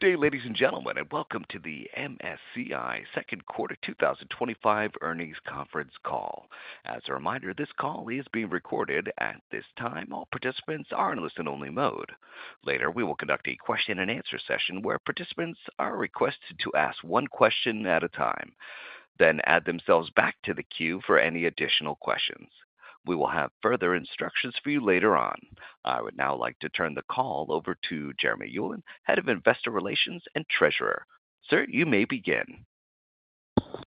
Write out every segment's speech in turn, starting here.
Good day, ladies and gentlemen, and welcome to the MSCI Second Quarter 2025 earnings conference call. As a reminder, this call is being recorded, and at this time, all participants are in listen-only mode. Later, we will conduct a question-and-answer session where participants are requested to ask one question at a time, then add themselves back to the queue for any additional questions. We will have further instructions for you later on. I would now like to turn the call over to Jeremy Ulan, Head of Investor Relations and Treasurer. Sir, you may begin.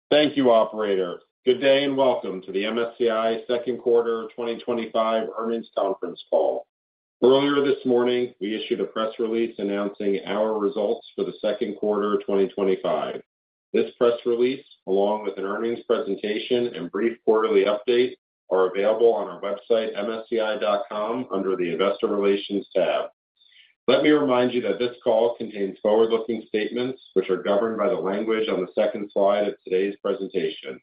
Thank you, Operator. Good day and welcome to the MSCI Second Quarter 2025 earnings conference call. Earlier this morning, we issued a press release announcing our results for the second quarter of 2025. This press release, along with an earnings presentation and brief quarterly update, are available on our website, msci.com, under the Investor Relations tab. Let me remind you that this call contains forward-looking statements, which are governed by the language on the second slide of today's presentation.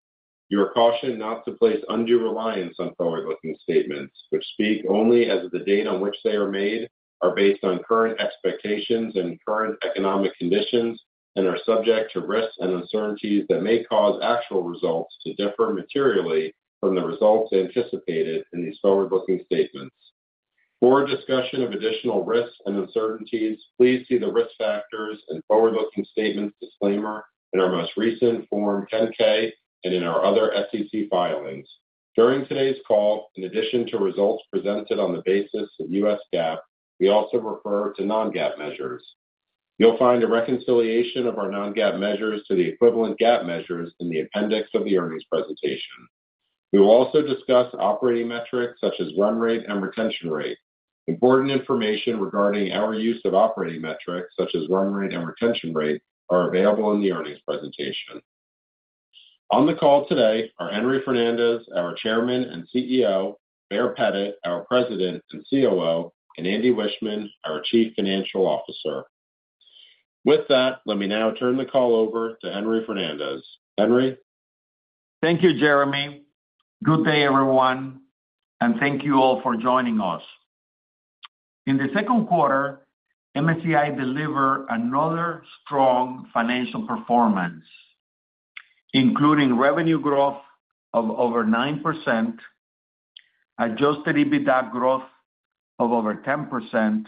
You are cautioned not to place undue reliance on forward-looking statements, which speak only as of the date on which they are made, are based on current expectations and current economic conditions, and are subject to risks and uncertainties that may cause actual results to differ materially from the results anticipated in these forward-looking statements. For discussion of additional risks and uncertainties, please see the risk factors and forward-looking statements disclaimer in our most recent Form 10-K and in our other SEC filings. During today's call, in addition to results presented on the basis of US GAAP, we also refer to non-GAAP measures. You'll find a reconciliation of our non-GAAP measures to the equivalent GAAP measures in the appendix of the earnings presentation. We will also discuss operating metrics such as run rate and retention rate. Important information regarding our use of operating metrics such as run rate and retention rate is available in the earnings presentation. On the call today are Henry Fernandez, our Chairman and CEO; Baer Pettit, our President and COO; and Andy Wiechmann, our Chief Financial Officer. With that, let me now turn the call over to Henry Fernandez. Henry. Thank you, Jeremy. Good day, everyone, and thank you all for joining us. In the second quarter, MSCI delivered another strong financial performance, including revenue growth of over 9%, adjusted EBITDA growth of over 10%,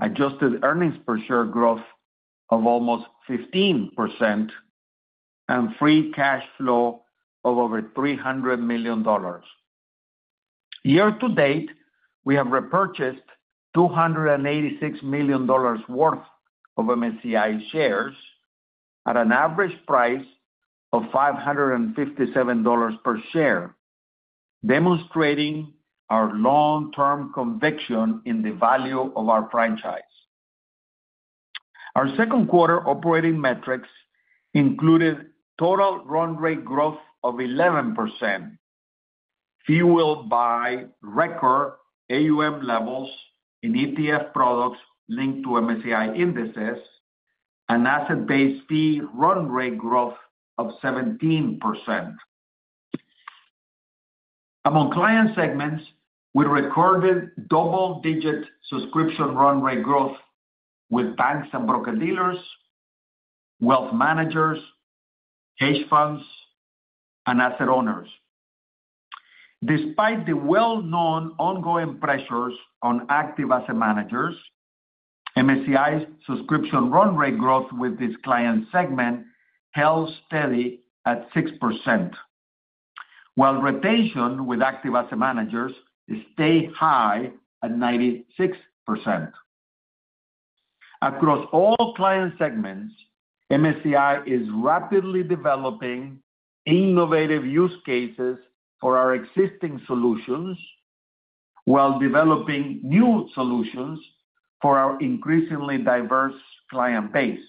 adjusted earnings per share growth of almost 15%, and free cash flow of over $300 million. Year to date, we have repurchased $286 million worth of MSCI shares at an average price of $557 per share, demonstrating our long-term conviction in the value of our franchise. Our second quarter operating metrics included total run rate growth of 11%, fueled by record AUM levels in ETF products linked to MSCI indices and asset-based fee run rate growth of 17%. Among client segments, we recorded double-digit subscription run rate growth with banks and broker-dealers, wealth managers, hedge funds, and asset owners. Despite the well-known ongoing pressures on active asset managers, MSCI's subscription run rate growth with this client segment held steady at 6%, while retention with active asset managers stayed high at 96%. Across all client segments, MSCI is rapidly developing innovative use cases for our existing solutions, while developing new solutions for our increasingly diverse client base.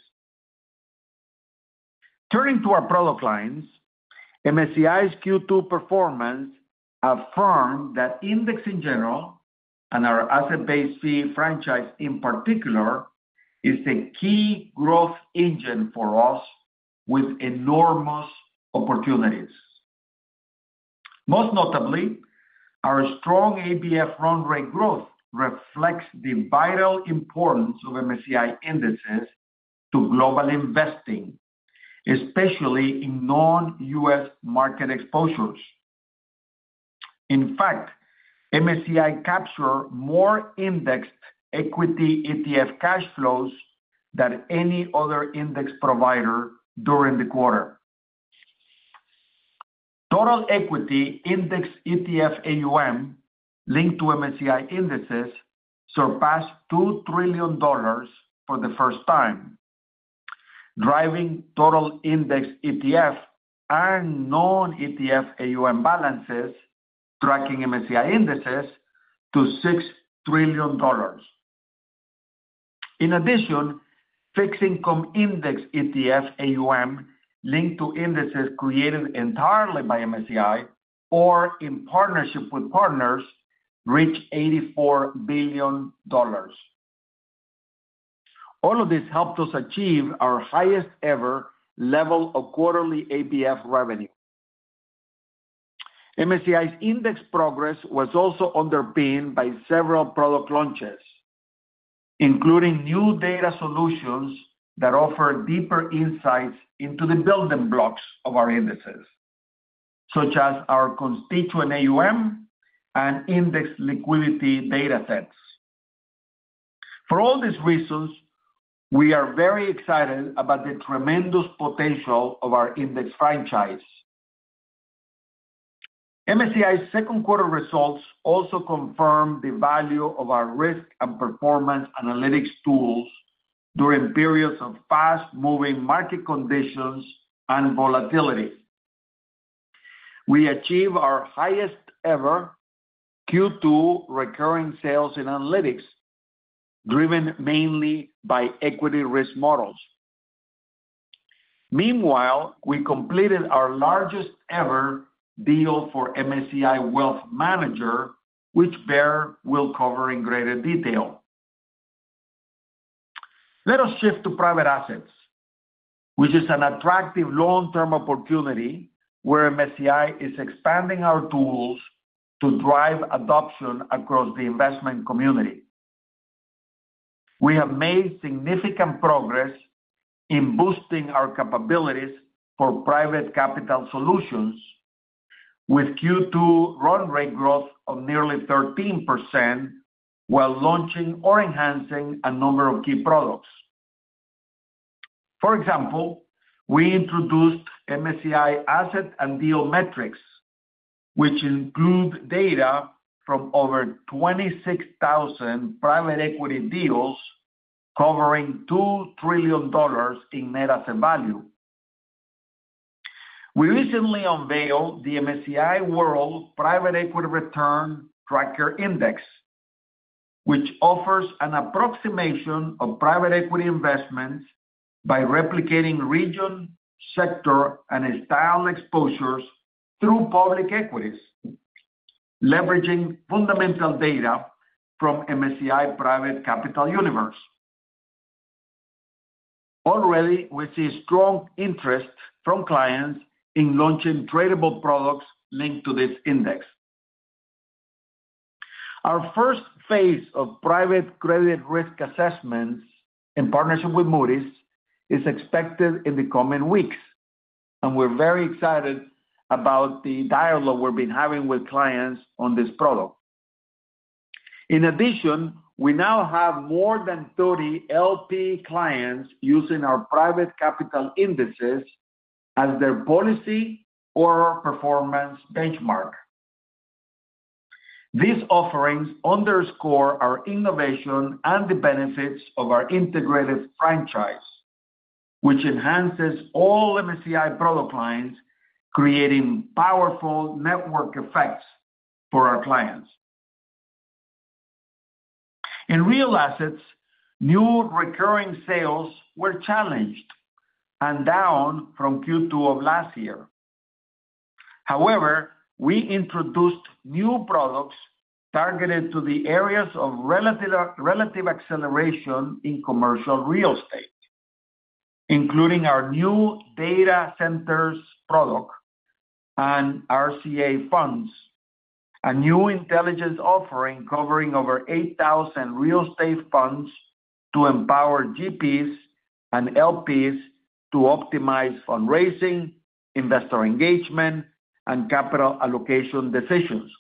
Turning to our product clients, MSCI's Q2 performance affirmed that index in general, and our asset-based fee franchise in particular, is a key growth engine for us with enormous opportunities. Most notably, our strong ABF run rate growth reflects the vital importance of MSCI indices to global investing, especially in non-US market exposures. In fact, MSCI captured more indexed equity ETF cash flows than any other index provider during the quarter. Total equity index ETF AUM linked to MSCI indices surpassed $2 trillion for the first time, driving total index ETF and non-ETF AUM balances tracking MSCI indices to $6 trillion. In addition, fixed income index ETF AUM linked to indices created entirely by MSCI, or in partnership with partners, reached $84 billion. All of this helped us achieve our highest-ever level of quarterly ABF revenue. MSCI index progress was also underpinned by several product launches, including new data solutions that offer deeper insights into the building blocks of our indices, such as our constituent AUM and index liquidity data sets. For all these reasons, we are very excited about the tremendous potential of our index franchise. MSCI second quarter results also confirmed the value of our risk and performance analytics tools during periods of fast-moving market conditions and volatility. We achieved our highest-ever Q2 recurring sales in analytics, driven mainly by equity risk models. Meanwhile, we completed our largest-ever deal for MSCI Wealth Manager, which Baer will cover in greater detail. Let us shift to private assets, which is an attractive long-term opportunity where MSCI is expanding our tools to drive adoption across the investment community. We have made significant progress in boosting our capabilities for private capital solutions, with Q2 run rate growth of nearly 13%, while launching or enhancing a number of key products. For example, we introduced MSCI Asset & Deal Metrics, which include data from over 26,000 private equity deals, covering $2 trillion in net asset value. We recently unveiled the MSCI World Private Equity Return Tracker Index, which offers an approximation of private equity investments by replicating region, sector, and style exposures through public equities, leveraging fundamental data from MSCI Private Capital Universe. Already, we see strong interest from clients in launching tradable products linked to this index. Our first phase of private credit risk assessments in partnership with Moody’s is expected in the coming weeks, and we're very excited about the dialogue we've been having with clients on this product. In addition, we now have more than 30 LP clients using our private capital indices as their policy or performance benchmark. These offerings underscore our innovation and the benefits of our integrated franchise, which enhances all MSCI product lines, creating powerful network effects for our clients. In real assets, new recurring sales were challenged and down from Q2 of last year. However, we introduced new products targeted to the areas of relative acceleration in commercial real estate, including our new data centers product and RCA funds, a new intelligence offering covering over 8,000 real estate funds to empower GPs and LPs to optimize fundraising, investor engagement, and capital allocation decisions.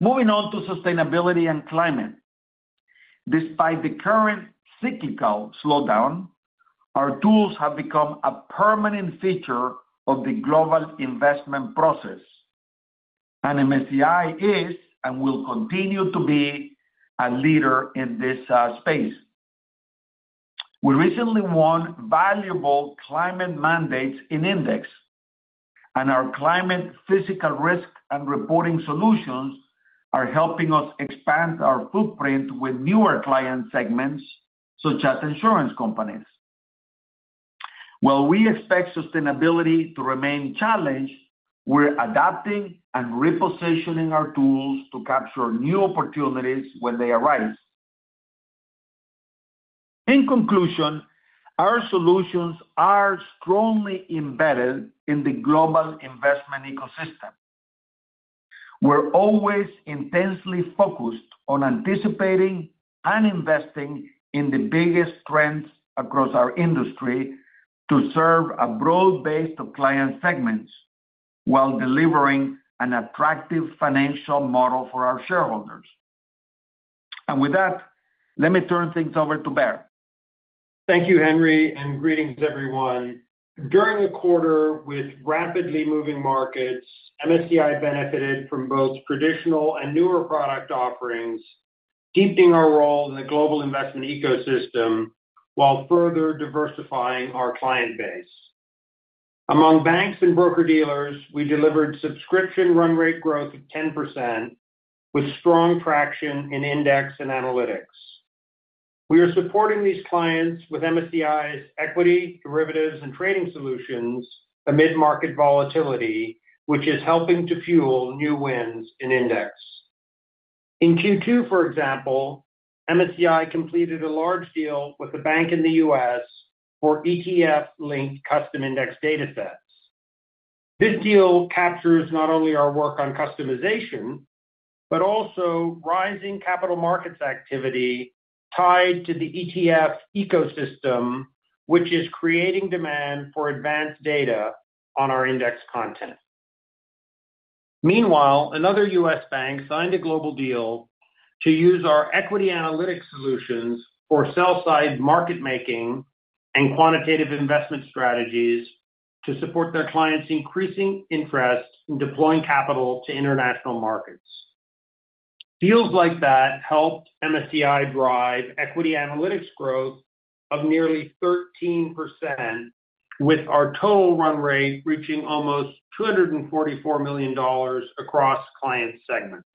Moving on to sustainability and climate. Despite the current cyclical slowdown, our tools have become a permanent feature of the global investment process. MSCI is and will continue to be a leader in this space. We recently won valuable climate mandates in index, and our climate physical risk and reporting solutions are helping us expand our footprint with newer client segments, such as insurance companies. While we expect sustainability to remain challenged, we're adapting and repositioning our tools to capture new opportunities when they arise. In conclusion, our solutions are strongly embedded in the global investment ecosystem. We're always intensely focused on anticipating and investing in the biggest trends across our industry to serve a broad base of client segments while delivering an attractive financial model for our shareholders. With that, let me turn things over to Baer. Thank you, Henry, and greetings, everyone. During the quarter, with rapidly moving markets, MSCI benefited from both traditional and newer product offerings, deepening our role in the global investment ecosystem while further diversifying our client base. Among banks and broker-dealers, we delivered subscription run rate growth of 10%, with strong traction in index and analytics. We are supporting these clients with MSCI equity, derivatives, and trading solutions amid market volatility, which is helping to fuel new wins in index. In Q2, for example, MSCI completed a large deal with a bank in the U.S. for ETF-linked custom index data sets. This deal captures not only our work on customization, but also rising capital markets activity tied to the ETF ecosystem, which is creating demand for advanced data on our index content. Meanwhile, another U.S. bank signed a global deal to use our equity analytics solutions for sell-side market making and quantitative investment strategies to support their clients' increasing interest in deploying capital to international markets. Deals like that helped MSCI drive equity analytics growth of nearly 13%, with our total run rate reaching almost $244 million across client segments.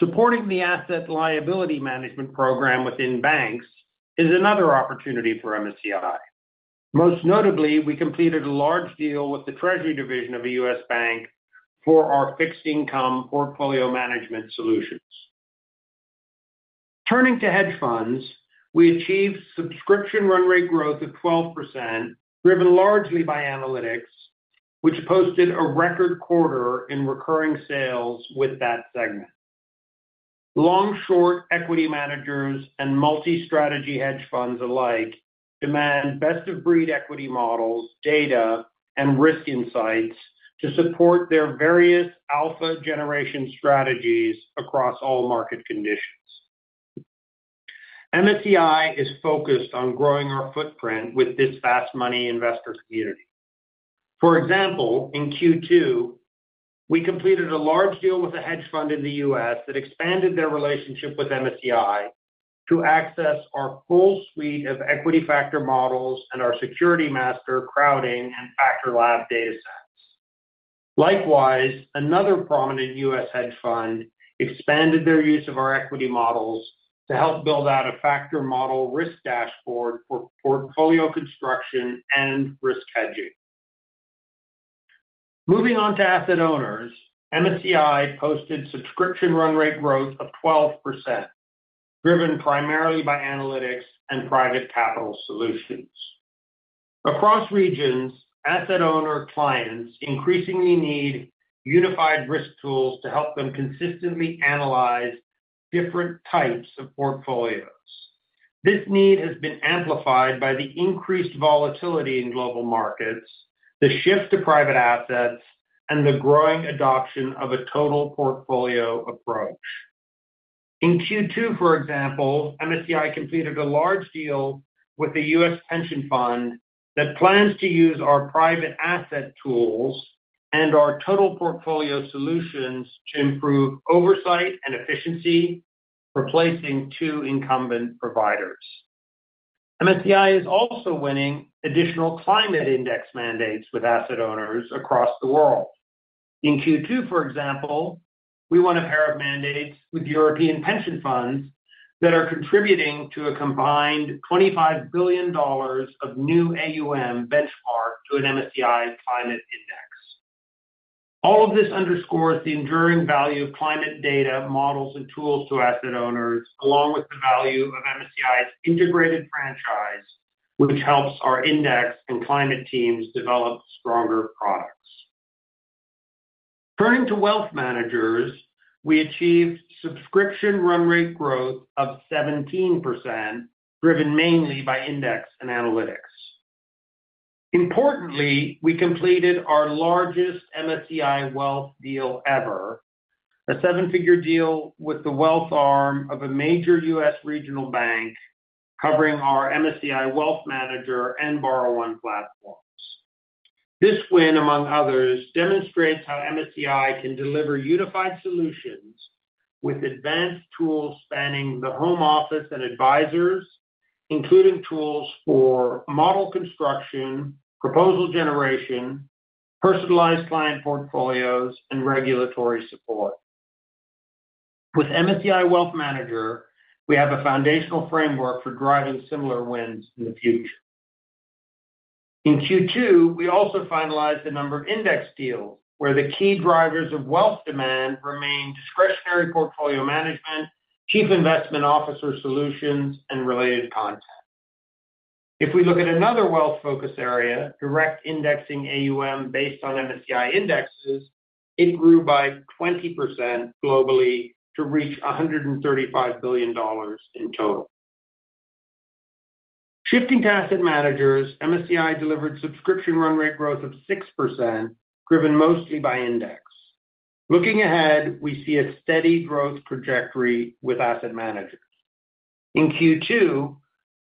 Supporting the asset liability management program within banks is another opportunity for MSCI. Most notably, we completed a large deal with the Treasury Division of a U.S. bank for our fixed income portfolio management solutions. Turning to hedge funds, we achieved subscription run rate growth of 12%, driven largely by analytics, which posted a record quarter in recurring sales with that segment. Long-short equity managers and multi-strategy hedge funds alike demand best-of-breed equity models, data, and risk insights to support their various alpha generation strategies across all market conditions. MSCI is focused on growing our footprint with this fast-money investor community. For example, in Q2, we completed a large deal with a hedge fund in the U.S. that expanded their relationship with MSCI to access our full suite of equity factor models and our security master crowding and factor lab data sets. Likewise, another prominent US hedge fund expanded their use of our equity models to help build out a factor model risk dashboard for portfolio construction and risk hedging. Moving on to asset owners, MSCI posted subscription run rate growth of 12%, driven primarily by analytics and private capital solutions. Across regions, asset owner clients increasingly need unified risk tools to help them consistently analyze different types of portfolios. This need has been amplified by the increased volatility in global markets, the shift to private assets, and the growing adoption of a total portfolio approach. In Q2, for example, MSCI completed a large deal with a US pension fund that plans to use our private asset tools and our total portfolio solutions to improve oversight and efficiency, replacing two incumbent providers. MSCI is also winning additional climate index mandates with asset owners across the world. In Q2, for example, we won a pair of mandates with European pension funds that are contributing to a combined $25 billion of new AUM benchmark to an MSCI climate index. All of this underscores the enduring value of climate data, models, and tools to asset owners, along with the value of MSCI's integrated franchise, which helps our index and climate teams develop stronger products. Turning to wealth managers, we achieved subscription run rate growth of 17%, driven mainly by index and analytics. Importantly, we completed our largest MSCI Wealth deal ever. A seven-figure deal with the wealth arm of a major U.S. regional bank. Covering our MSCI Wealth Manager and Borrow One platforms. This win, among others, demonstrates how MSCI can deliver unified solutions with advanced tools spanning the home office and advisors, including tools for model construction, proposal generation, personalized client portfolios, and regulatory support. With MSCI Wealth Manager, we have a foundational framework for driving similar wins in the future. In Q2, we also finalized a number of index deals where the key drivers of wealth demand remain discretionary portfolio management, chief investment officer solutions, and related content. If we look at another wealth-focused area, direct indexing AUM based on MSCI indexes, it grew by 20% globally to reach $135 billion in total. Shifting to asset managers, MSCI delivered subscription run rate growth of 6%, driven mostly by index. Looking ahead, we see a steady growth trajectory with asset managers. In Q2,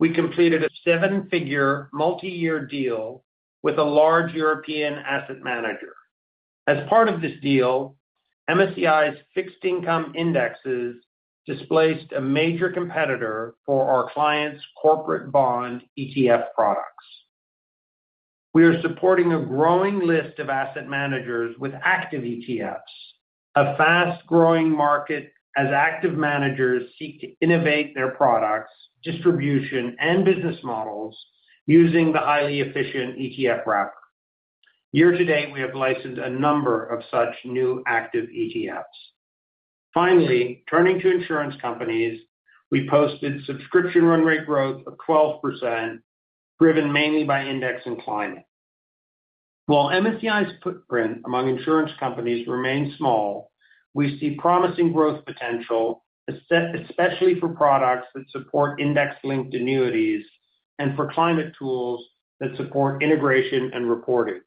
we completed a seven-figure multi-year deal with a large European asset manager. As part of this deal, MSCI's fixed income indexes displaced a major competitor for our clients' corporate bond ETF products. We are supporting a growing list of asset managers with active ETFs, a fast-growing market as active managers seek to innovate their products, distribution, and business models using the highly efficient ETF wrapper. Year to date, we have licensed a number of such new active ETFs. Finally, turning to insurance companies, we posted subscription run rate growth of 12%. Driven mainly by index and climate. While MSCI's footprint among insurance companies remains small, we see promising growth potential. Especially for products that support index-linked annuities and for climate tools that support integration and reporting.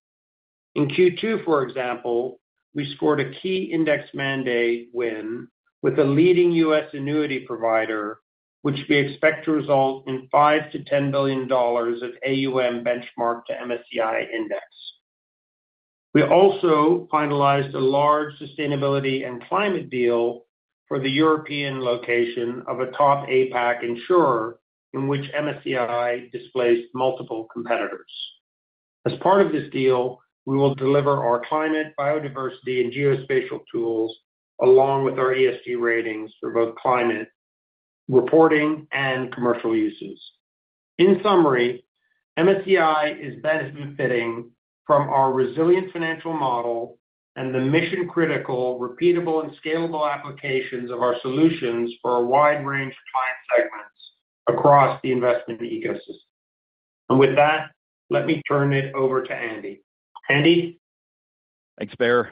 In Q2, for example, we scored a key index mandate win with a leading US annuity provider, which we expect to result in $5 billion-10 billion of AUM benchmark to MSCI index. We also finalized a large sustainability and climate deal for the European location of a top APAC insurer in which MSCI displaced multiple competitors. As part of this deal, we will deliver our climate, biodiversity, and geospatial tools along wit`h our ESG ratings for both climate reporting, and commercial uses. In summary, MSCI is benefiting from our resilient financial model and the mission-critical, repeatable, and scalable applications of our solutions for a wide range of client segments across the investment ecosystem. And with that, let me turn it over to Andy. Andy? Thanks, Baer.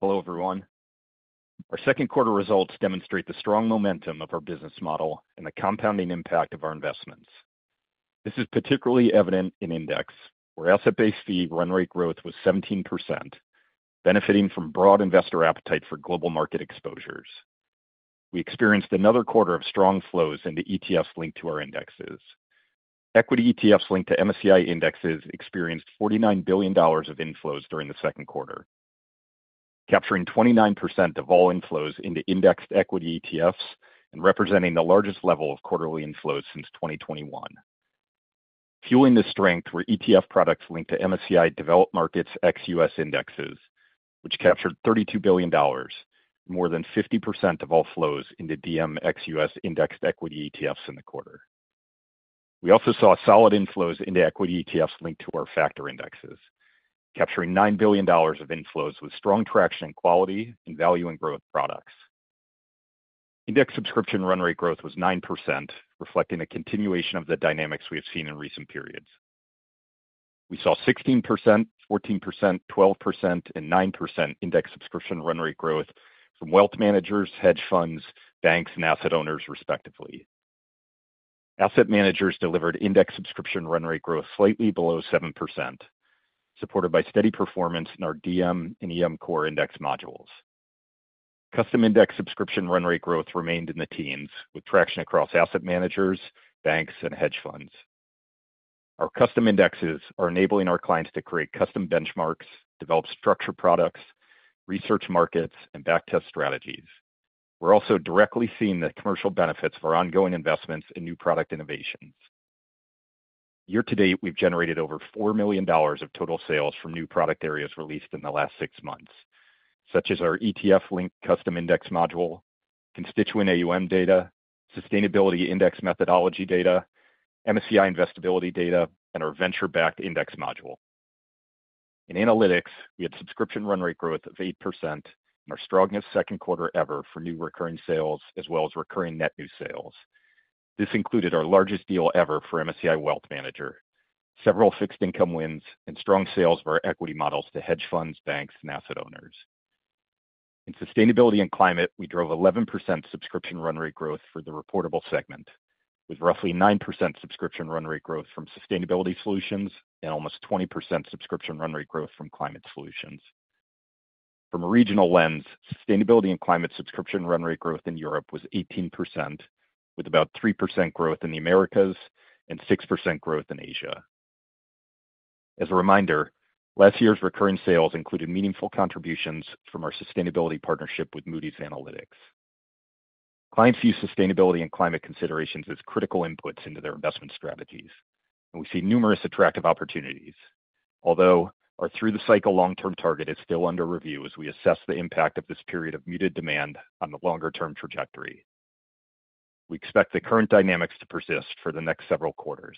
Hello, everyone. Our second-quarter results demonstrate the strong momentum of our business model and the compounding impact of our investments. This is particularly evident in index, where asset-based fee run rate growth was 17%, benefiting from broad investor appetite for global market exposures. We experienced another quarter of strong flows into ETFs linked to our indexes. Equity ETF linked to MSCI indexes experienced $49 billion of inflows during the second quarter, capturing 29% of all inflows into indexed equity ETFs and representing the largest level of quarterly inflows since 2021. Fueling this strength were ETF products linked to MSCI Developed Markets ex-US indexes, which captured $32 billion, more than 50% of all flows into DM ex-US index equity ETFs in the quarter. We also saw solid inflows into equity ETFs linked to our factor indexes, capturing $9 billion of inflows with strong traction in quality and value and growth products. Index subscription run rate growth was 9%, reflecting a continuation of the dynamics we have seen in recent periods. We saw 16%, 14%, 12%, and 9% index subscription run rate growth from wealth managers, hedge funds, banks, and asset owners, respectively. Asset managers delivered index subscription run rate growth slightly below 7%, supported by steady performance in our DM and EM Core index modules. Custom index subscription run rate growth remained in the teens, with traction across asset managers, banks, and hedge funds. Our custom indexes are enabling our clients to create custom benchmarks, develop structure products, research markets, and backtest strategies. We're also directly seeing the commercial benefits of our ongoing investments in new product innovations. Year to date, we've generated over $4 million of total sales from new product areas released in the last six months, such as our ETF-Linked Custom Index Module, constituent AUM data, sustainability index methodology data, MSCI Investability Data, and our Venture-Backed Index Module. In analytics, we had subscription run rate growth of 8% and our strongest second quarter ever for new recurring sales, as well as recurring net new sales. This included our largest deal ever for MSCI Wealth Manager, several fixed income wins, and strong sales of our equity models to hedge funds, banks, and asset owners. In sustainability and climate, we drove 11% subscription run rate growth for the reportable segment, with roughly 9% subscription run rate growth from sustainability solutions and almost 20% subscription run rate growth from climate solutions. From a regional lens, sustainability and climate subscription run rate growth in Europe was 18%, with about 3% growth in the Americas and 6% growth in Asia. As a reminder, last year's recurring sales included meaningful contributions from our sustainability partnership with Moody’s Analytics. Clients use sustainability and climate considerations as critical inputs into their investment strategies, and we see numerous attractive opportunities. Although our through-the-cycle long-term target is still under review as we assess the impact of this period of muted demand on the longer-term trajectory, we expect the current dynamics to persist for the next several quarters.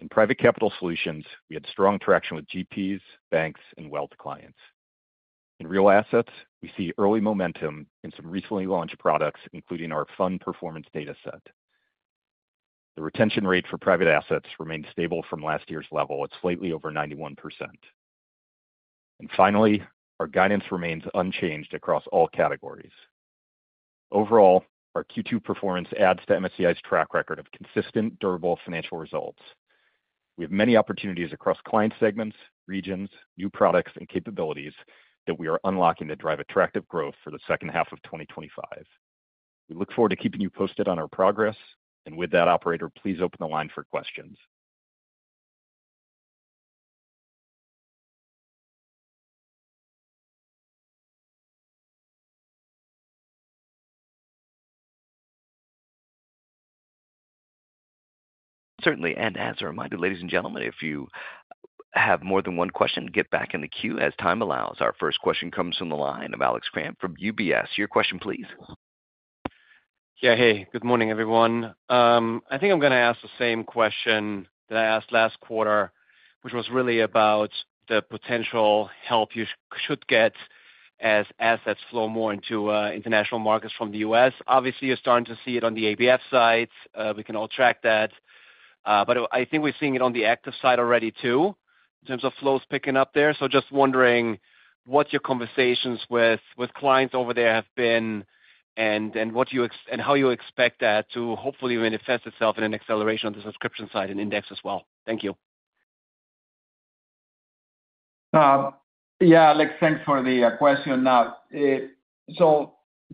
In private capital solutions, we had strong traction with GPs, banks, and wealth clients. In real assets, we see early momentum in some recently launched products, including our fund performance data set. The retention rate for private assets remained stable from last year's level at slightly over 91%. Finally, our guidance remains unchanged across all categories. Overall, our Q2 performance adds to MSCI's track record of consistent, durable financial results. We have many opportunities across client segments, regions, new products, and capabilities that we are unlocking to drive attractive growth for the second half of 2025. We look forward to keeping you posted on our progress, and with that, operator, please open the line for questions. Certainly. As a reminder, ladies and gentlemen, if you have more than one question, get back in the queue as time allows. Our first question comes from the line of Alex Kramm from UBS. Your question, please. Yeah. Hey, good morning, everyone. I think I'm going to ask the same question that I asked last quarter, which was really about the potential help you should get as assets flow more into international markets from the US. Obviously, you're starting to see it on the ABF side. We can all track that. I think we're seeing it on the active side already too, in terms of flows picking up there. Just wondering what your conversations with clients over there have been and how you expect that to hopefully manifest itself in an acceleration on the subscription side and index as well. Thank you. Yeah, Alex, thanks for the question.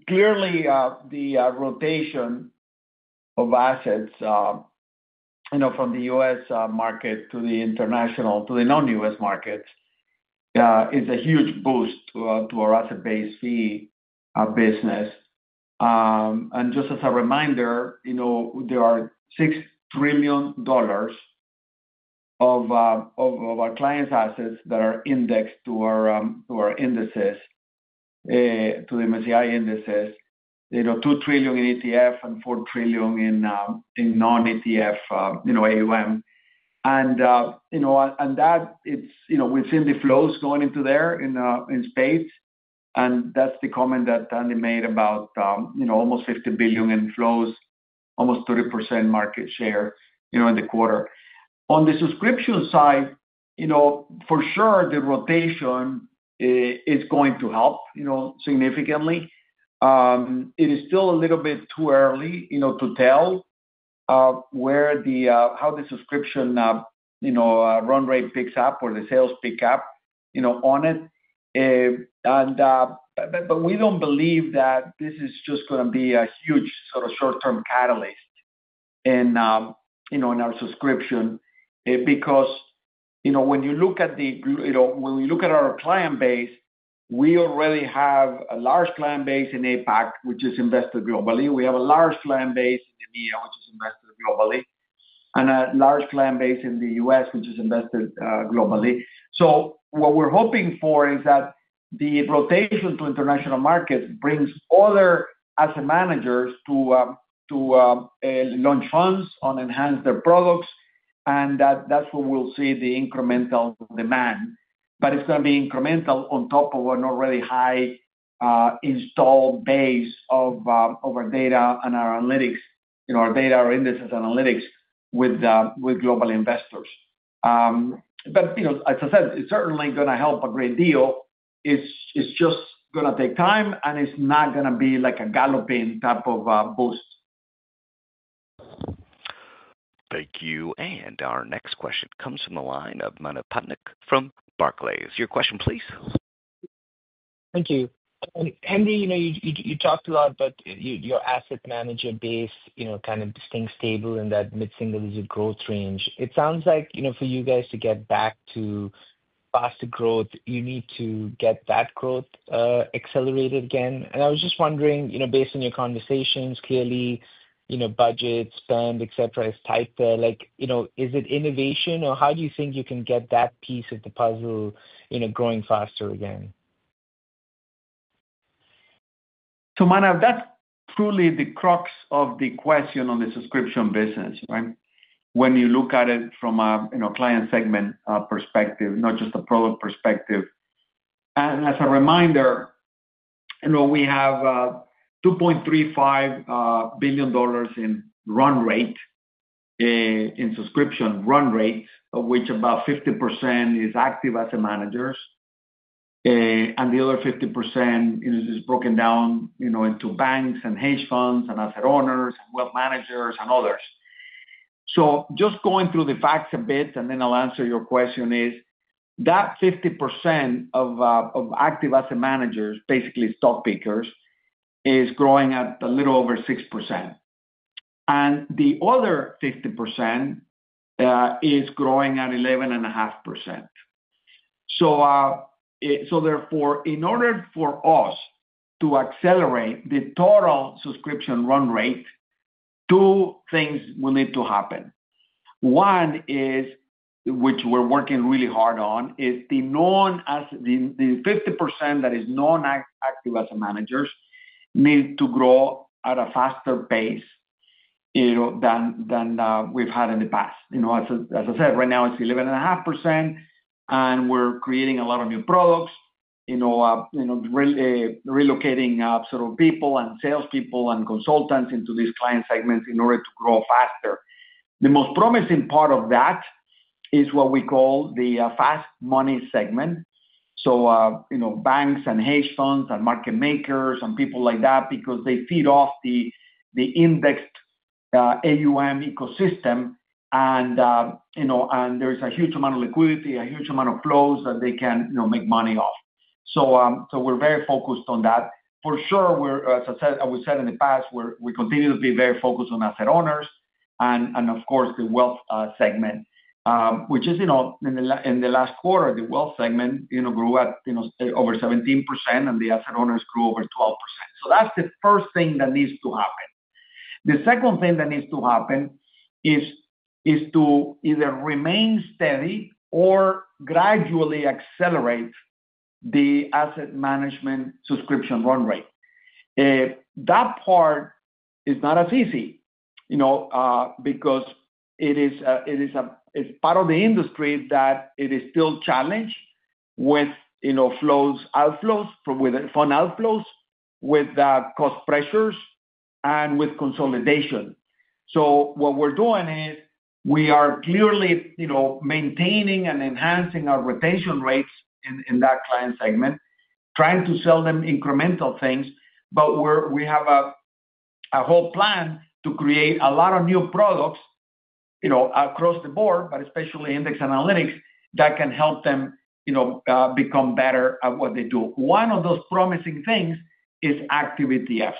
Clearly, the rotation of assets from the US market to the international, to the non-US markets, is a huge boost to our asset-based fee business. Just as a reminder, there are $6 trillion of our clients' assets that are index to our indices, to the MSCI indices. $2 trillion in ETF and $4 trillion in non-ETF AUM. We have seen the flows going into there in spades. That is the comment that Andy made about almost $50 billion in flows, almost 30% market share in the quarter. On the subscription side, for sure, the rotation is going to help significantly. It is still a little bit too early to tell how the subscription run rate picks up or the sales pick up on it. We do not believe that this is just going to be a huge sort of short-term catalyst in our subscription, because when you look at the—when we look at our client base, we already have a large client base in APAC, which is invested globally. We have a large client base in EMEA, which is invested globally, and a large client base in the U.S., which is invested globally. What we are hoping for is that the rotation to international markets brings other asset managers to launch funds on enhanced products, and that is where we will see the incremental demand. It is going to be incremental on top of an already high installed base of our data and our analytics, our data or indices analytics with global investors. As I said, it is certainly going to help a great deal. It is just going to take time, and it is not going to be like a galloping type of boost. Thank you. Our next question comes from the line of Manav Patnaik from Barclays. Your question, please. Thank you. Andy, you talked a lot, but your asset manager base kind of staying stable in that mid-single digit growth range. It sounds like for you guys to get back to faster growth, you need to get that growth accelerated again. I was just wondering, based on your conversations, clearly budget, spend, etc., is tight there. Is it innovation, or how do you think you can get that piece of the puzzle growing faster again? Manav, that's truly the crux of the question on the subscription business, right? When you look at it from a client segment perspective, not just a product perspective. As a reminder, we have $2.35 billion in run rate, in subscription run rate, of which about 50% is active asset managers. The other 50% is broken down into banks and hedge funds and asset owners and wealth managers and others. Just going through the facts a bit, and then I'll answer your question, 50% of active asset managers, basically stock pickers, is growing at a little over 6%. The other 50% is growing at 11.5%. Therefore, in order for us to accelerate the total subscription run rate, two things will need to happen. One is, which we're working really hard on, the 50% that is non-active asset managers need to grow at a faster pace than we've had in the past. As I said, right now it's 11.5%, and we're creating a lot of new products, relocating people and salespeople and consultants into these client segments in order to grow faster. The most promising part of that is what we call the fast money segment. Banks and hedge funds and market makers and people like that, because they feed off the indexed AUM ecosystem, and there's a huge amount of liquidity, a huge amount of flows that they can make money off. We're very focused on that. For sure, as I said in the past, we continue to be very focused on asset owners and, of course, the wealth segment, which is, in the last quarter, the wealth segment grew at over 17%, and the asset owners grew over 12%. That's the first thing that needs to happen. The second thing that needs to happen is to either remain steady or gradually accelerate the asset management subscription run rate. That part is not as easy because it is part of the industry that is still challenged with outflows, with fund outflows, with cost pressures, and with consolidation. What we're doing is we are clearly maintaining and enhancing our rotation rates in that client segment, trying to sell them incremental things, but we have a whole plan to create a lot of new products across the board, but especially index analytics, that can help them become better at what they do. One of those promising things is active ETFs.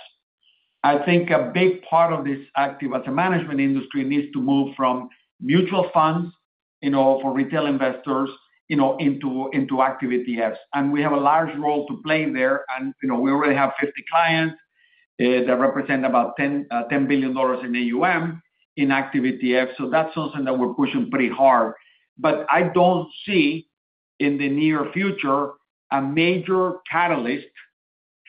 I think a big part of this active asset management industry needs to move from mutual funds for retail investors into active ETF. We have a large role to play there. We already have 50 clients that represent about $10 billion in AUM in active ETFs. That's something that we're pushing pretty hard. I don't see in the near future a major catalyst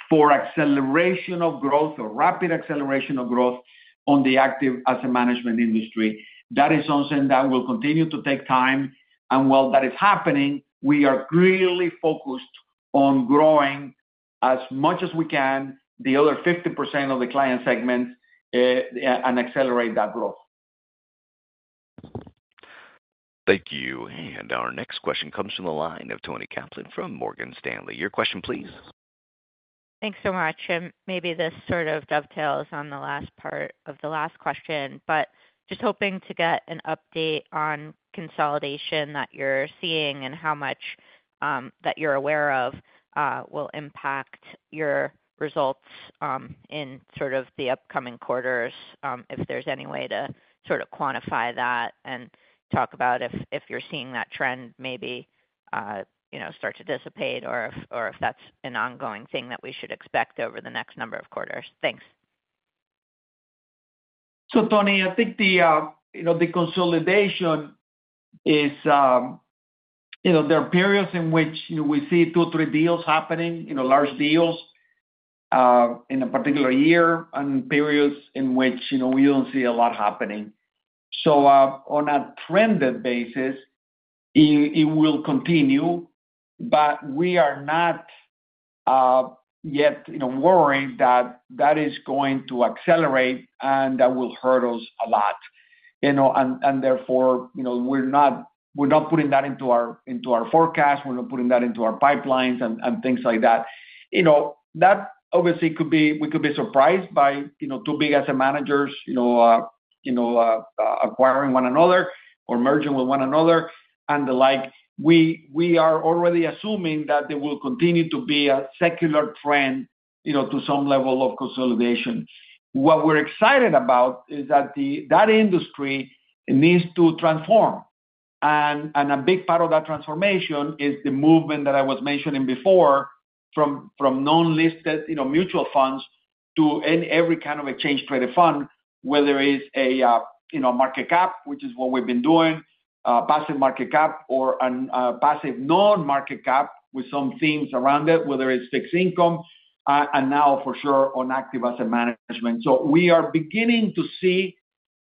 for acceleration of growth or rapid acceleration of growth on the active asset management industry. That is something that will continue to take time. While that is happening, we are clearly focused on growing as much as we can, the other 50% of the client segment, and accelerate that growth. Thank you. Our next question comes from the line of Toni Kaplan from Morgan Stanley. Your question, please. Thanks so much. Maybe this sort of dovetails on the last part of the last question, but just hoping to get an update on consolidation that you're seeing and how much that you're aware of will impact your results in sort of the upcoming quarters, if there's any way to sort of quantify that and talk about if you're seeing that trend maybe start to dissipate or if that's an ongoing thing that we should expect over the next number of quarters. Thanks. Toni, I think the consolidation is, there are periods in which we see two or three deals happening, large deals, in a particular year, and periods in which we do not see a lot happening. On a trended basis, it will continue, but we are not yet worried that that is going to accelerate and that will hurt us a lot. Therefore, we are not putting that into our forecast. We are not putting that into our pipelines and things like that. That obviously could be, we could be surprised by two big asset managers acquiring one another or merging with one another and the like. We are already assuming that there will continue to be a secular trend to some level of consolidation. What we are excited about is that that industry needs to transform, and a big part of that transformation is the movement that I was mentioning before from non-listed mutual funds to every kind of exchange-traded fund, whether it is a market cap, which is what we have been doing, passive market cap, or a passive non-market cap with some themes around it, whether it is fixed income, and now for sure on active asset management. We are beginning to see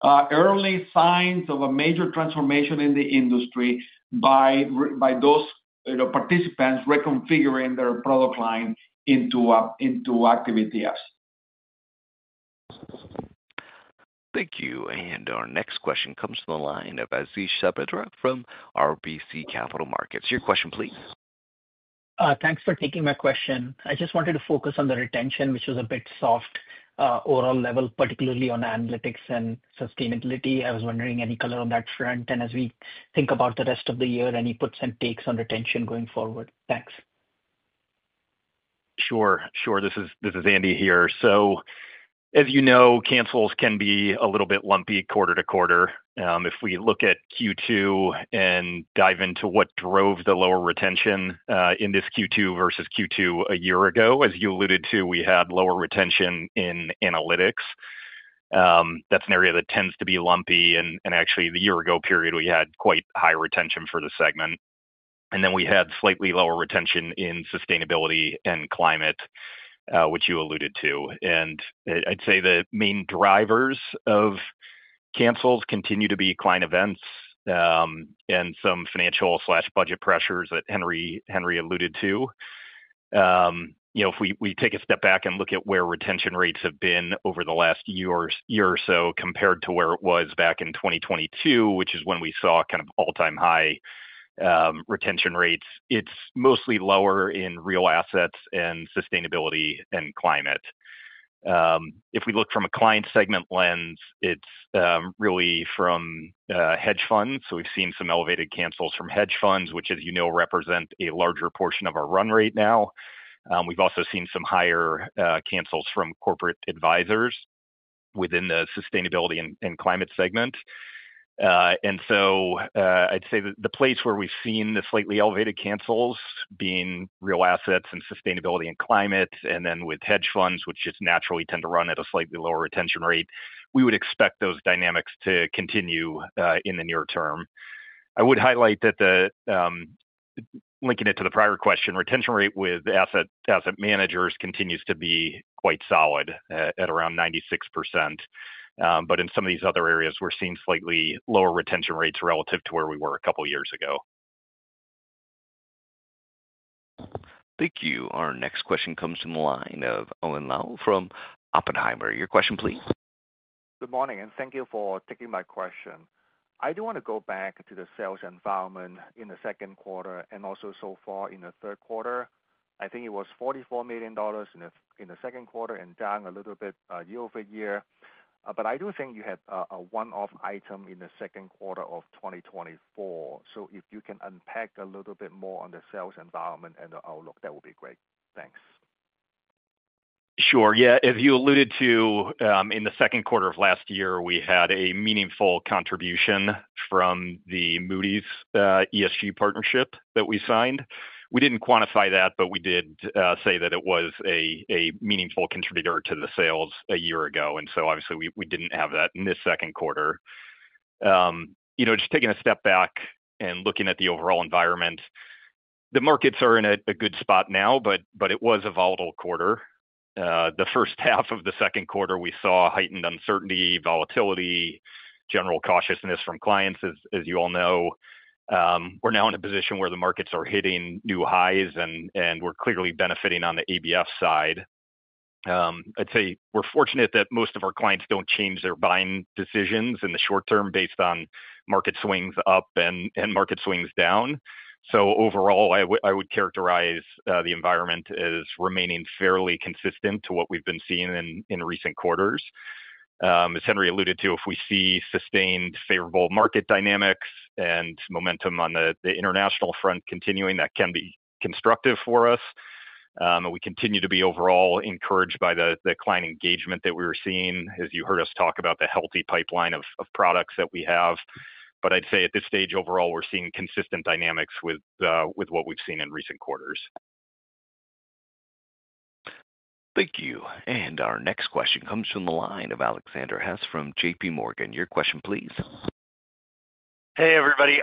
early signs of a major transformation in the industry by those participants reconfiguring their product line into active ETFs. Thank you. Our next question comes from the line of Ashish Sabadra from RBC Capital Markets. Your question, please. Thanks for taking my question. I just wanted to focus on the retention, which was a bit soft overall level, particularly on analytics and sustainability. I was wondering any color on that front. As we think about the rest of the year, any puts and takes on retention going forward? Thanks. Sure. Sure. This is Andy here. As you know, cancels can be a little bit lumpy quarter to quarter. If we look at Q2 and dive into what drove the lower retention in this Q2 versus Q2 a year ago, as you alluded to, we had lower retention in analytics. That is an area that tends to be lumpy. Actually, the year-ago period, we had quite high retention for the segment. We had slightly lower retention in sustainability and climate, which you alluded to. I'd say the main drivers of cancels continue to be client events and some financial/budget pressures that Henry alluded to. If we take a step back and look at where retention rates have been over the last year or so compared to where it was back in 2022, which is when we saw kind of all-time high retention rates, it is mostly lower in real assets and sustainability and climate. If we look from a client segment lens, it is really from hedge funds. We have seen some elevated cancels from hedge funds, which, as you know, represent a larger portion of our run rate now. We have also seen some higher cancels from corporate advisors within the sustainability and climate segment. I would say the place where we have seen the slightly elevated cancels being real assets and sustainability and climate, and then with hedge funds, which just naturally tend to run at a slightly lower retention rate, we would expect those dynamics to continue in the near-term. I would highlight that, linking it to the prior question, retention rate with asset managers continues to be quite solid at around 96%. In some of these other areas, we are seeing slightly lower retention rates relative to where we were a couple of years ago. Thank you. Our next question comes from the line of Owen Lau from Oppenheimer. Your question, please. Good morning, and thank you for taking my question. I do want to go back to the sales environment in the second quarter and also so far in the third quarter. I think it was $44 million in the second quarter and down a little bit year over year. I do think you had a one-off item in the second quarter of 2024. If you can unpack a little bit more on the sales environment and the outlook, that would be great. Thanks. Sure. Yeah. As you alluded to, in the second quarter of last year, we had a meaningful contribution from the Moody’s ESG partnership that we signed. We did not quantify that, but we did say that it was a meaningful contributor to the sales a year ago. Obviously, we did not have that in this second quarter. Just taking a step back and looking at the overall environment. The markets are in a good spot now, but it was a volatile quarter. The first half of the second quarter, we saw heightened uncertainty, volatility, general cautiousness from clients, as you all know. We are now in a position where the markets are hitting new highs, and we are clearly benefiting on the ABF side. I would say we are fortunate that most of our clients do not change their buying decisions in the short-term based on market swings up and market swings down. Overall, I would characterize the environment as remaining fairly consistent to what we have been seeing in recent quarters. As Henry alluded to, if we see sustained favorable market dynamics and momentum on the international front continuing, that can be constructive for us. We continue to be overall encouraged by the client engagement that we were seeing as you heard us talk about the healthy pipeline of products that we have. I would say at this stage, overall, we are seeing consistent dynamics with what we have seen in recent quarters. Thank you. Our next question comes from the line of Alexander Hess from JPMorgan. Your question, please. Hey, everybody.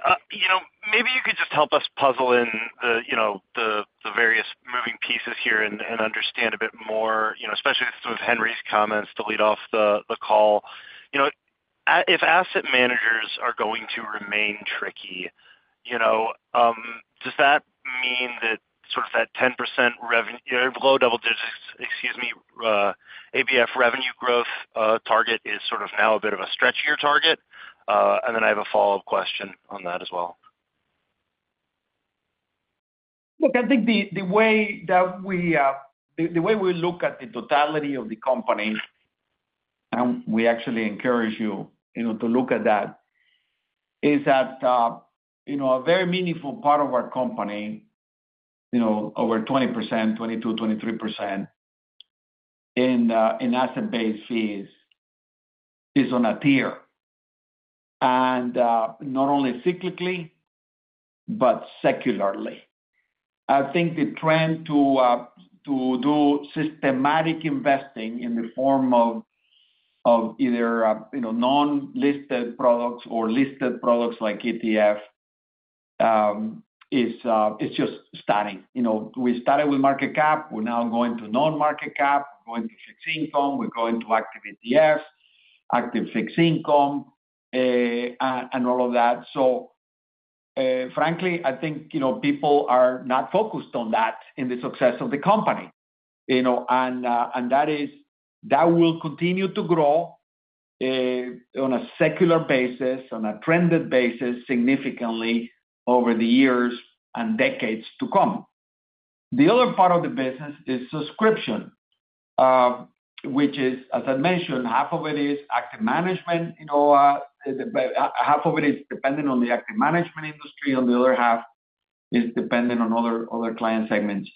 Maybe you could just help us puzzle in the various moving pieces here and understand a bit more, especially with Henry's comments to lead off the call. If asset managers are going to remain tricky, does that mean that sort of that 10% low double digits, excuse me, ABF revenue growth target is sort of now a bit of a stretchier target? I have a follow-up question on that as well. Look, I think the way that we look at the totality of the company, and we actually encourage you to look at that, is that a very meaningful part of our company, over 20%, 22%-23% in asset-based fees, is on a tier, and not only cyclically but secularly. I think the trend to do systematic investing in the form of either non-listed products or listed products like ETF is just starting. We started with market cap, we're now going to non-market cap, we're going to fixed income, we're going to active ETF, active fixed income, and all of that. Frankly, I think people are not focused on that in the success of the company, and that will continue to grow on a secular basis, on a trended basis significantly over the years and decades to come. The other part of the business is subscription, which is, as I mentioned, half of it is active management, half of it is dependent on the active management industry, and the other half is dependent on other client segments.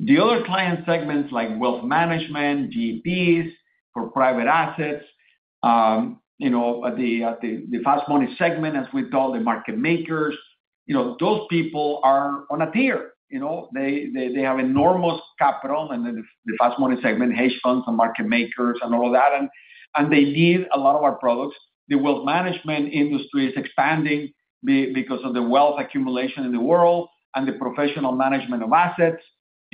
The other client segments like wealth management, GPs for private assets, the fast money segment, as we call the market makers, those people are on a tier. They have enormous capital in the fast money segment, hedge funds, and market makers and all of that, and they need a lot of our products. The wealth management industry is expanding because of the wealth accumulation in the world and the professional management of assets,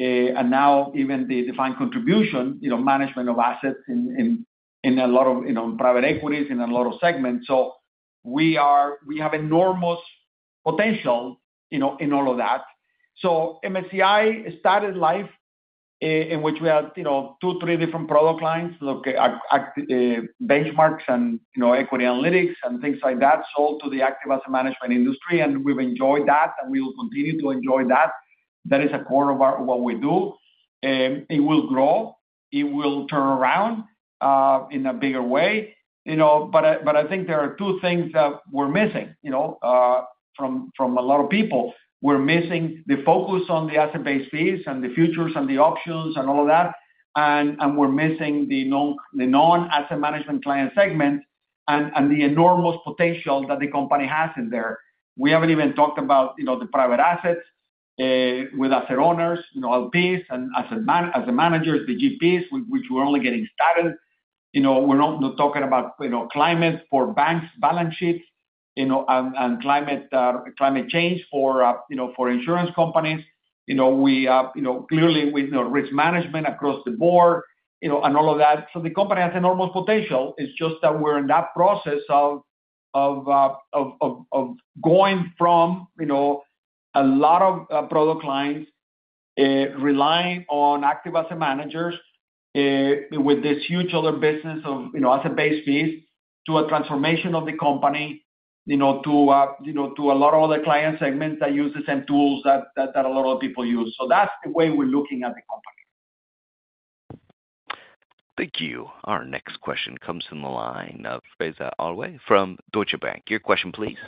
and now even the defined contribution management of assets in a lot of private equities in a lot of segments. We have enormous potential in all of that. MSCI started life in which we had two, three different product lines, look at benchmarks and equity analytics and things like that, sold to the active asset management industry. We've enjoyed that, and we will continue to enjoy that. That is a core of what we do. It will grow. It will turn around in a bigger way. I think there are two things that we're missing. From a lot of people, we're missing the focus on the asset-based fees and the futures and the options and all of that, and we're missing the non-asset management client segment and the enormous potential that the company has in there. We haven't even talked about the private assets with asset owners, LPs, and as the managers, the GPs, which we're only getting started. We're not talking about climate for banks' balance sheets and climate change for insurance companies, clearly, with risk management across the board and all of that. The company has enormous potential. It's just that we're in that process of going from a lot of product lines relying on active asset managers, with this huge other business of asset-based fees, to a transformation of the company to a lot of other client segments that use the same tools that a lot of people use. That's the way we're looking at the company. Thank you. Our next question comes from the line of Faiza Alwy from Deutsche Bank. Your question, please.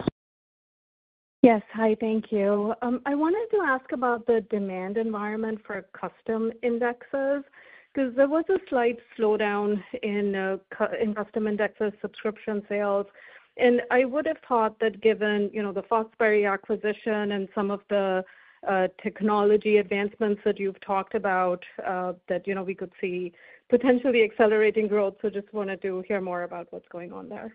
Yes. Hi. Thank you. I wanted to ask about the demand environment for custom indexes because there was a slight slowdown in custom indexes subscription sales. I would have thought that given the Foxberry acquisition and some of the technology advancements that you've talked about, we could see potentially accelerating growth. I just wanted to hear more about what's going on there.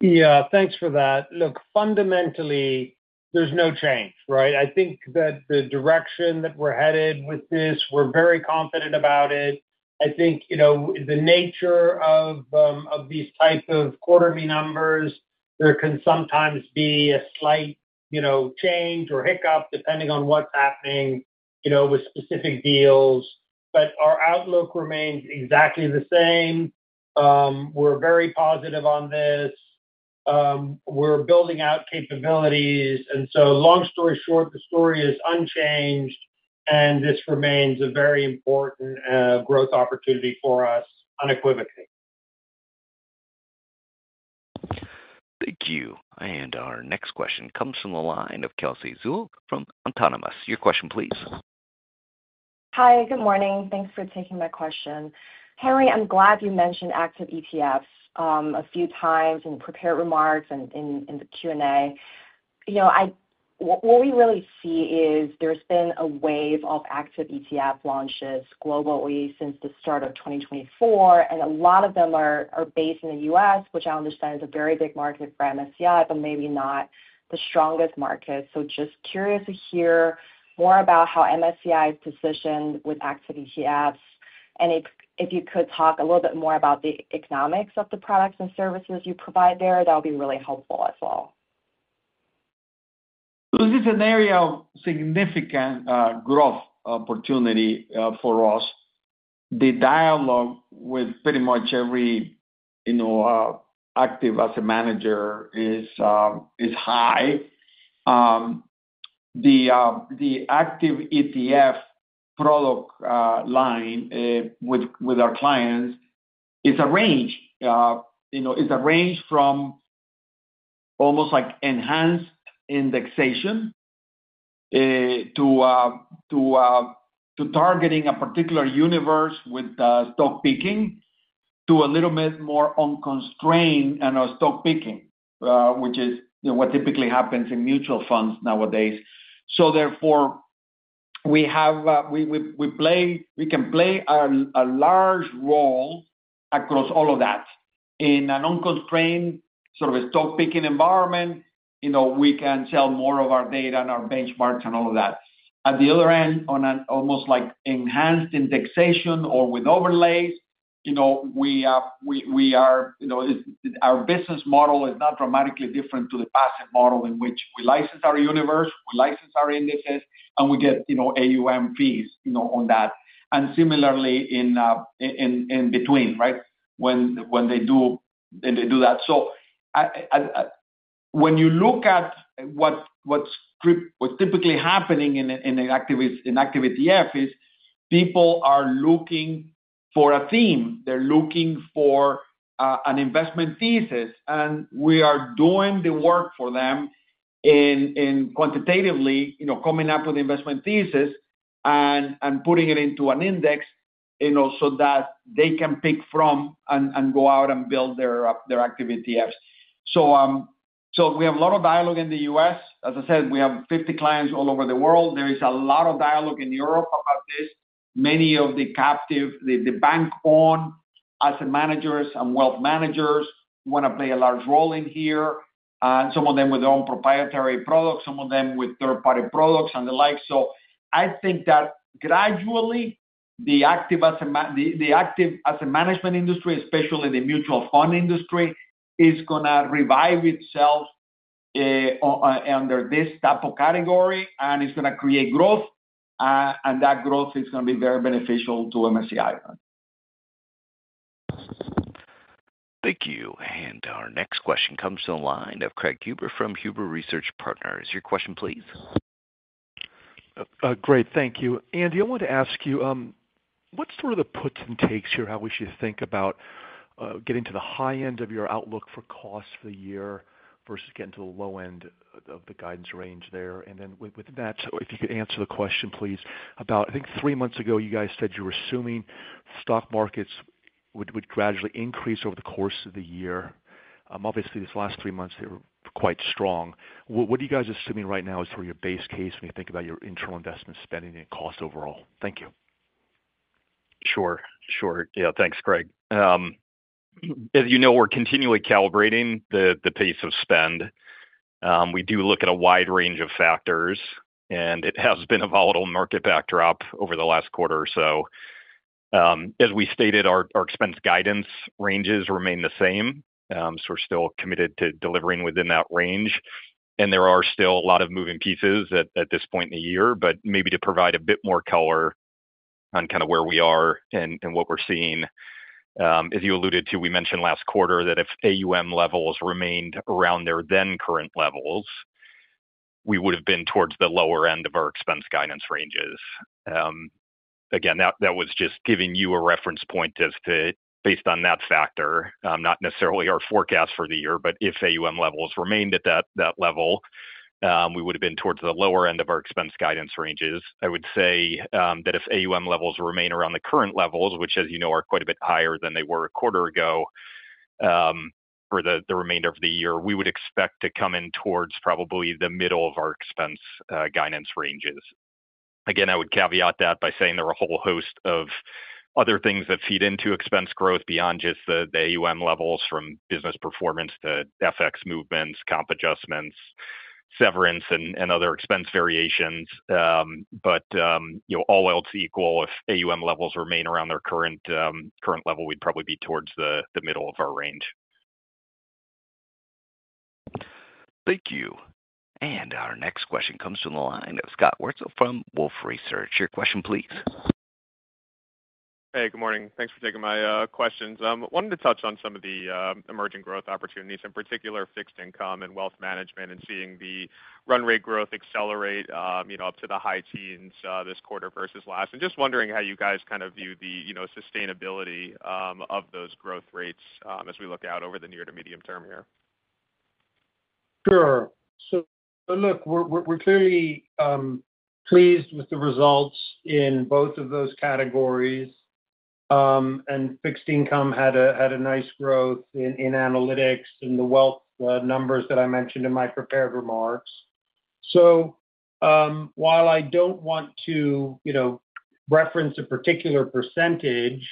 Yeah. Thanks for that. Look, fundamentally, there's no change, right? I think that the direction that we're headed with this, we're very confident about it. I think the nature of these types of quarterly numbers, there can sometimes be a slight change or hiccup depending on what's happening with specific deals. Our outlook remains exactly the same. We're very positive on this. We're building out capabilities. Long story short, the story is unchanged, and this remains a very important growth opportunity for us unequivocally. Thank you. Our next question comes from the line of Kelsey Zhu from Autonomous. Your question, please. Hi. Good morning. Thanks for taking my question. Henry, I'm glad you mentioned active ETFs a few times in the prepared remarks and in the Q&A. What we really see is there's been a wave of active ETF launches globally since the start of 2024. A lot of them are based in the U.S., which I understand is a very big market for MSCI, but maybe not the strongest market. Just curious to hear more about how MSCI is positioned with active ETFs. If you could talk a little bit more about the economics of the products and services you provide there, that would be really helpful as well. This is an area of significant growth opportunity for us. The dialogue with pretty much every active asset manager is high. The active ETF product line with our clients is a range. It's a range from almost like enhanced indexation to targeting a particular universe with stock picking to a little bit more unconstrained and stock picking, which is what typically happens in mutual funds nowadays. Therefore, we can play a large role across all of that. In an unconstrained sort of stock picking environment, we can sell more of our data and our benchmarks and all of that. At the other end, on an almost like enhanced indexation or with overlays, our business model is not dramatically different from the passive model in which we license our universe, we license our indices, and we get AUM fees on that. Similarly, in between, right, when they do that. When you look at what's typically happening in an active ETF's, people are looking for a theme. They're looking for an investment thesis, and we are doing the work for them, quantitatively coming up with the investment thesis and putting it into an index so that they can pick from and go out and build their active ETF. We have a lot of dialogue in the US. As I said, we have 50 clients all over the world. There is a lot of dialogue in Europe about this. Many of the bank-owned asset managers and wealth managers want to play a large role in here, some of them with their own proprietary products, some of them with third-party products and the like. I think that gradually the active asset management industry, especially the mutual fund industry, is going to revive itself under this type of category and is going to create growth. That growth is going to be very beneficial to MSCI. Thank you. Our next question comes from the line of Craig Huber from Huber Research Partners. Your question, please. Great. Thank you. Andy, I wanted to ask you. What's sort of the puts and takes here, how we should think about getting to the high end of your outlook for cost for the year versus getting to the low end of the guidance range there? Within that, if you could answer the question, please, about, I think three months ago, you guys said you were assuming stock markets would gradually increase over the course of the year. Obviously, these last three months, they were quite strong. What are you guys assuming right now as for your base case when you think about your internal investment spending and cost overall? Thank you. Sure. Yeah. Thanks, Craig. As you know, we're continually calibrating the pace of spend. We do look at a wide range of factors, and it has been a volatile market backdrop over the last quarter or so. As we stated, our expense guidance ranges remain the same. We're still committed to delivering within that range. There are still a lot of moving pieces at this point in the year, but maybe to provide a bit more color on kind of where we are and what we're seeing. As you alluded to, we mentioned last quarter that if AUM levels remained around their then current levels, we would have been towards the lower end of our expense guidance ranges. Again, that was just giving you a reference point based on that factor, not necessarily our forecast for the year, but if AUM levels remained at that level, we would have been towards the lower end of our expense guidance ranges. I would say that if AUM levels remain around the current levels, which as you know are quite a bit higher than they were a quarter ago, for the remainder of the year, we would expect to come in towards probably the middle of our expense guidance ranges. I would caveat that by saying there are a whole host of other things that feed into expense growth beyond just the AUM levels, from business performance to FX movements, comp adjustments, severance, and other expense variations. All else equal, if AUM levels remain around their current level, we'd probably be towards the middle of our range. Thank you. Our next question comes from the line of Scott Wurtzel from Wolfe Research. Your question, please. Hey, good morning. Thanks for taking my questions. I wanted to touch on some of the emerging growth opportunities, in particular fixed income and wealth management and seeing the run rate growth accelerate up to the high teens this quarter versus last. Just wondering how you guys kind of view the sustainability of those growth rates as we look out over the near to medium term here. Sure. So look, we're clearly pleased with the results in both of those categories. And fixed income had a nice growth in analytics and the wealth numbers that I mentioned in my prepared remarks. So while I don't want to reference a particular percentage,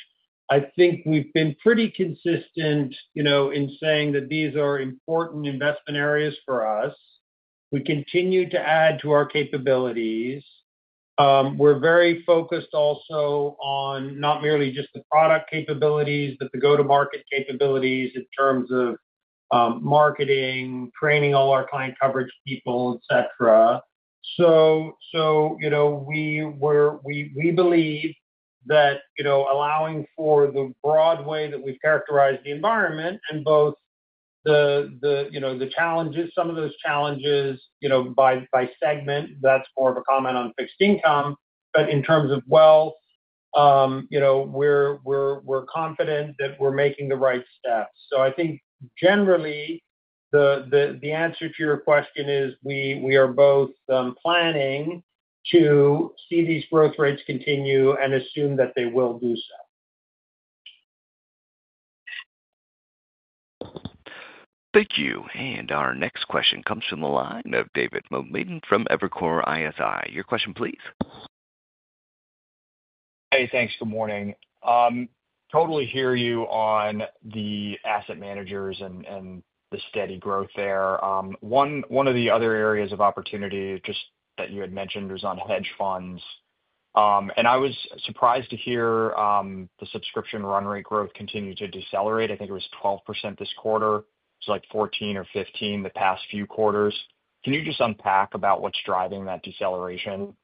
I think we've been pretty consistent in saying that these are important investment areas for us. We continue to add to our capabilities. We're very focused also on not merely just the product capabilities, but the go-to-market capabilities in terms of marketing, training all our client coverage people, etc. So we believe that allowing for the broad way that we've characterized the environment and both the challenges, some of those challenges by segment, that's more of a comment on fixed income. But in terms of wealth, we're confident that we're making the right steps. I think generally the answer to your question is we are both planning to see these growth rates continue and assume that they will do so. Thank you. Our next question comes from the line of David Motemaden from Evercore ISI. Your question, please. Hey, thanks. Good morning. Totally hear you on the asset managers and the steady growth there. One of the other areas of opportunity just that you had mentioned was on hedge funds. I was surprised to hear the subscription run rate growth continue to decelerate. I think it was 12% this quarter. It was like 14 or 15% the past few quarters. Can you just unpack about what's driving that deceleration?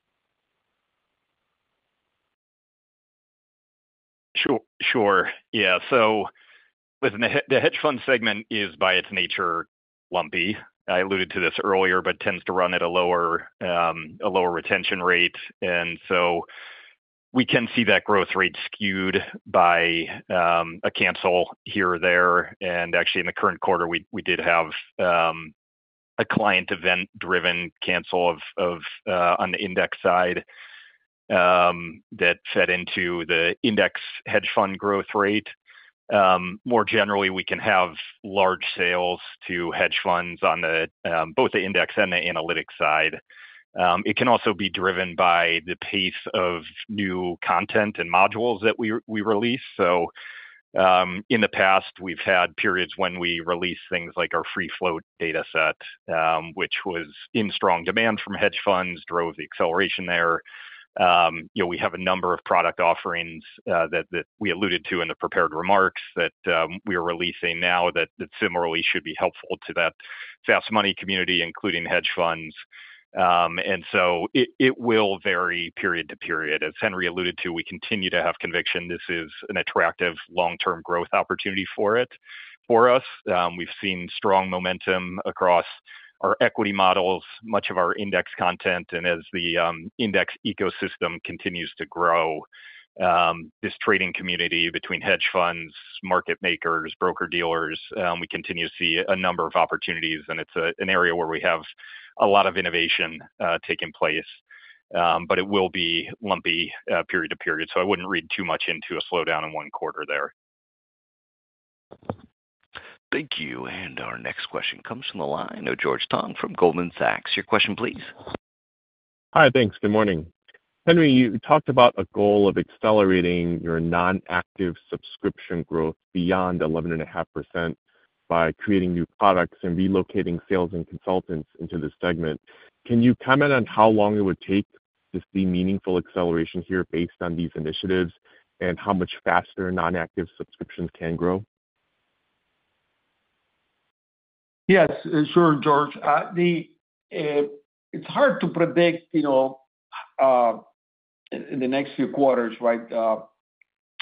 Sure. Yeah. The hedge fund segment is by its nature lumpy. I alluded to this earlier, but tends to run at a lower retention rate. We can see that growth rate skewed by a cancel here or there. Actually, in the current quarter, we did have a client event-driven cancel on the index side. That fed into the index hedge fund growth rate. More generally, we can have large sales to hedge funds on both the index and the analytics side. It can also be driven by the pace of new content and modules that we release. In the past, we have had periods when we released things like our free float data set, which was in strong demand from hedge funds, drove the acceleration there. We have a number of product offerings that we alluded to in the prepared remarks that we are releasing now that similarly should be helpful to that fast money community, including hedge funds. It will vary period to period. As Henry alluded to, we continue to have conviction this is an attractive long-term growth opportunity for us. We have seen strong momentum across our equity models, much of our index content. As the index ecosystem continues to grow, this trading community between hedge funds, market makers, broker dealers, we continue to see a number of opportunities. It is an area where we have a lot of innovation taking place. It will be lumpy period to period. I would not read too much into a slowdown in one quarter there. Thank you. Our next question comes from the line of George Tong from Goldman Sachs. Your question, please. Hi, thanks. Good morning. Henry, you talked about a goal of accelerating your non-active subscription growth beyond 11.5% by creating new products and relocating sales and consultants into the segment. Can you comment on how long it would take to see meaningful acceleration here based on these initiatives and how much faster non-active subscriptions can grow? Yes. Sure, George. It's hard to predict the next few quarters, right,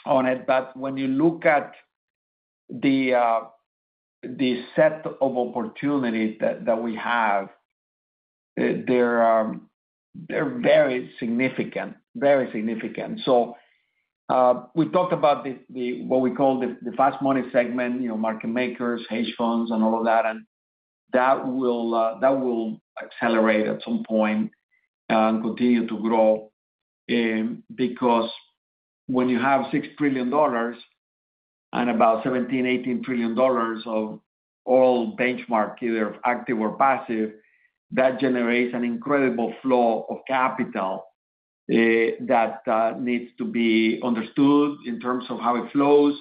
on it. But when you look at the set of opportunities that we have, they're very significant, very significant. We talked about what we call the fast money segment, market makers, hedge funds, and all of that. That will accelerate at some point and continue to grow, because when you have $6 trillion and about $17 trillion-$18 trillion of all benchmarks, either active or passive, that generates an incredible flow of capital that needs to be understood in terms of how it flows.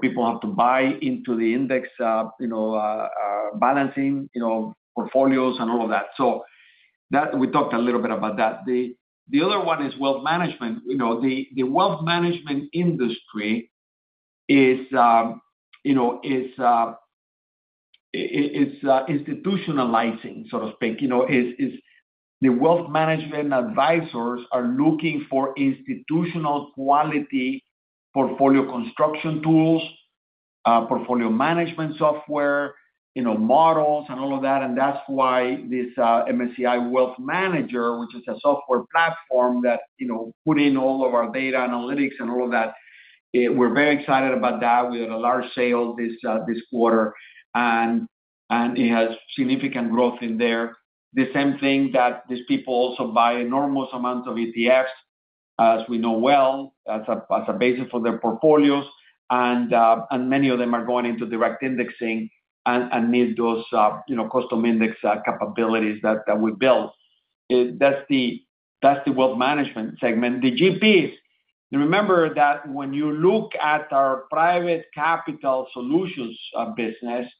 People have to buy into the index, balancing portfolios and all of that. We talked a little bit about that. The other one is wealth management. The wealth management industry is institutionalizing, so to speak. The wealth management advisors are looking for institutional quality portfolio construction tools, portfolio management software, models, and all of that. That's why this MSCI Wealth Manager, which is a software platform that put in all of our data analytics and all of that, we're very excited about that. We had a large sale this quarter, and it has significant growth in there. The same thing that these people also buy enormous amounts of ETF, as we know well, as a basis for their portfolios. Many of them are going into direct indexing and need those custom index capabilities that we built. That's the wealth management segment. The GPs, remember that when you look at our private capital solutions business,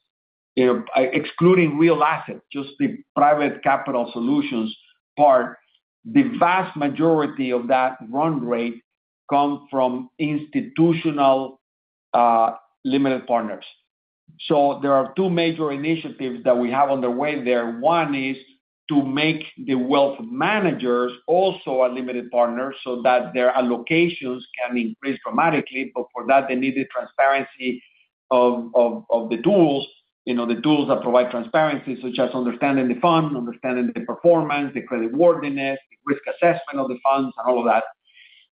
excluding real assets, just the private capital solutions part, the vast majority of that run rate comes from institutional limited partners. There are two major initiatives that we have underway there. One is to make the wealth managers also a limited partner so that their allocations can increase dramatically. For that, they need the transparency of the tools, the tools that provide transparency, such as understanding the fund, understanding the performance, the credit worthiness, the risk assessment of the funds, and all of that.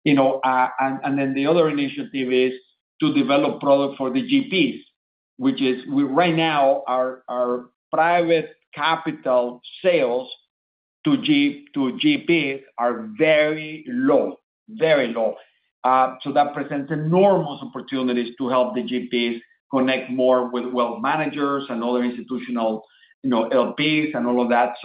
The other initiative is to develop product for the GPs, which is right now, our private capital sales to GPs are very low, very low. That presents enormous opportunities to help the GPs connect more with wealth managers and other institutional LPs and all of that.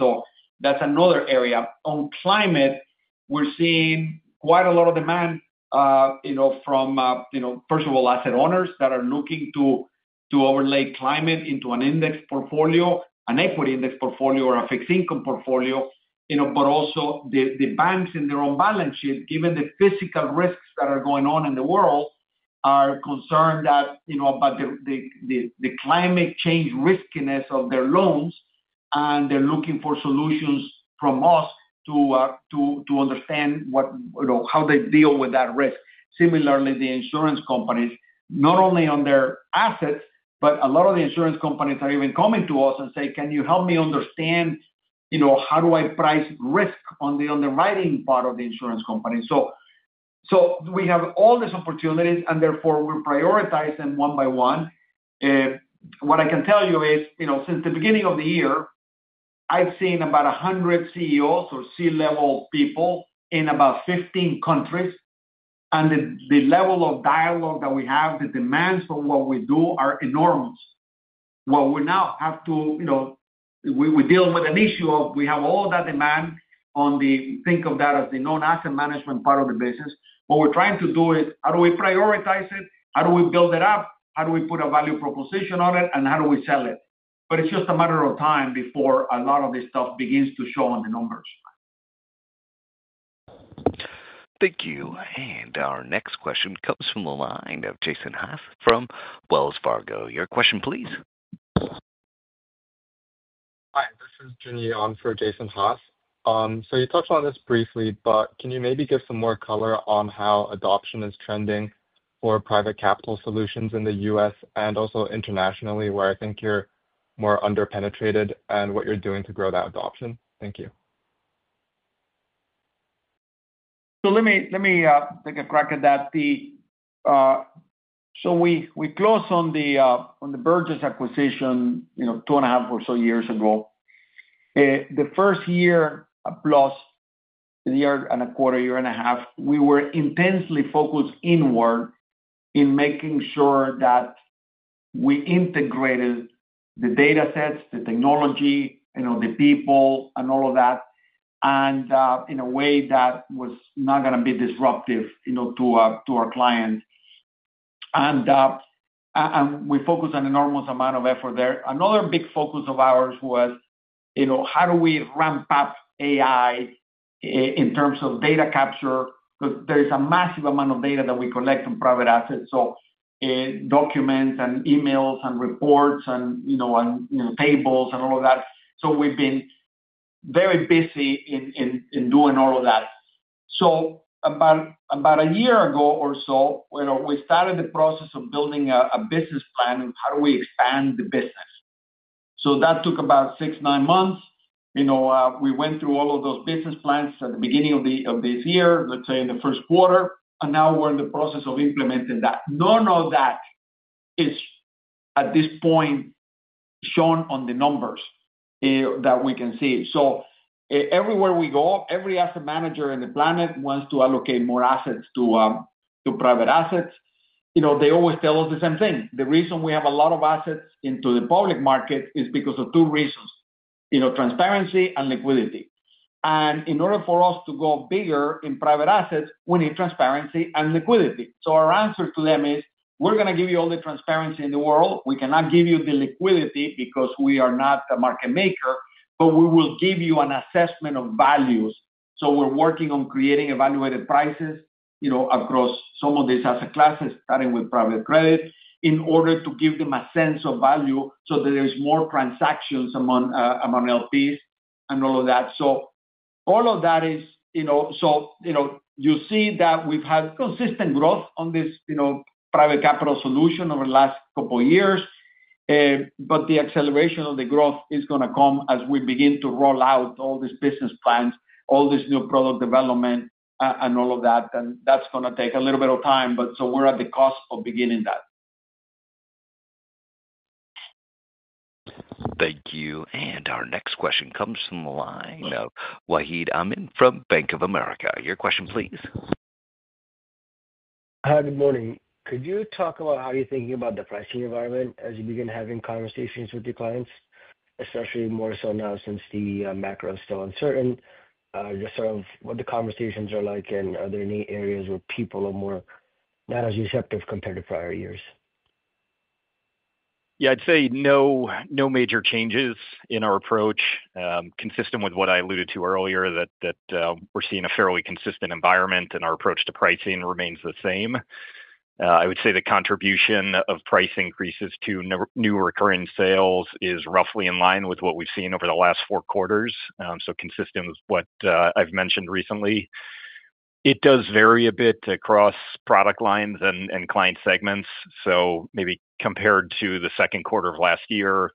That's another area. On climate, we're seeing quite a lot of demand from, first of all, asset owners that are looking to overlay climate into an index portfolio, an equity index portfolio, or a fixed income portfolio. Also, the banks in their own balance sheet, given the physical risks that are going on in the world, are concerned about the climate change riskiness of their loans, and they're looking for solutions from us to understand how they deal with that risk. Similarly, the insurance companies, not only on their assets, but a lot of the insurance companies are even coming to us and say, "Can you help me understand. How do I price risk on the underwriting part of the insurance company?" We have all these opportunities, and therefore we're prioritizing them one by one. What I can tell you is since the beginning of the year, I've seen about 100 CEOs or C-level people in about 15 countries. The level of dialogue that we have, the demands for what we do are enormous. What we now have to. We deal with an issue of we have all that demand on the think of that as the non-asset management part of the business. What we're trying to do is, how do we prioritize it? How do we build it up? How do we put a value proposition on it? How do we sell it? It's just a matter of time before a lot of this stuff begins to show on the numbers. Thank you. Our next question comes from the line of Jason Haas from Wells Fargo. Your question, please. Hi, this is Jimmy On for Jason Haas. You touched on this briefly, but can you maybe give some more color on how adoption is trending for private capital solutions in the US and also internationally, where I think you're more under-penetrated and what you're doing to grow that adoption? Thank you. Let me take a crack at that. We closed on the Burgiss acquisition two and a half or so years ago. The first year plus, a year and a quarter, year and a half, we were intensely focused inward in making sure that we integrated the data sets, the technology, the people, and all of that in a way that was not going to be disruptive to our clients. We focused on an enormous amount of effort there. Another big focus of ours was how do we ramp up AI in terms of data capture? There is a massive amount of data that we collect on private assets, so documents and emails and reports and tables and all of that. We have been very busy in doing all of that. About a year ago or so, we started the process of building a business plan and how do we expand the business. That took about six-nine months. We went through all of those business plans at the beginning of this year, let's say in the first quarter. Now we are in the process of implementing that. None of that is at this point shown on the numbers that we can see. Everywhere we go, every asset manager on the planet wants to allocate more assets to private assets. They always tell us the same thing. The reason we have a lot of assets into the public market is because of two reasons: transparency and liquidity. In order for us to go bigger in private assets, we need transparency and liquidity. Our answer to them is, "We are going to give you all the transparency in the world. We cannot give you the liquidity because we are not a market maker, but we will give you an assessment of values." We are working on creating evaluated prices across some of these asset classes, starting with private credit, in order to give them a sense of value so that there are more transactions among LPs and all of that. You see that we have had consistent growth on this private capital solution over the last couple of years. The acceleration of the growth is going to come as we begin to roll out all these business plans, all this new product development, and all of that. That is going to take a little bit of time. We are at the cost of beginning that. Thank you. Our next question comes from the line of Wahid Amin from Bank of America. Your question, please. Hi, good morning. Could you talk about how you're thinking about the pricing environment as you begin having conversations with your clients, especially more so now since the macro is still uncertain, just sort of what the conversations are like and are there any areas where people are more not as receptive compared to prior years? Yeah, I'd say no major changes in our approach. Consistent with what I alluded to earlier, that we're seeing a fairly consistent environment and our approach to pricing remains the same. I would say the contribution of price increases to new recurring sales is roughly in line with what we've seen over the last four quarters. So consistent with what I've mentioned recently. It does vary a bit across product lines and client segments. Maybe compared to the second quarter of last year,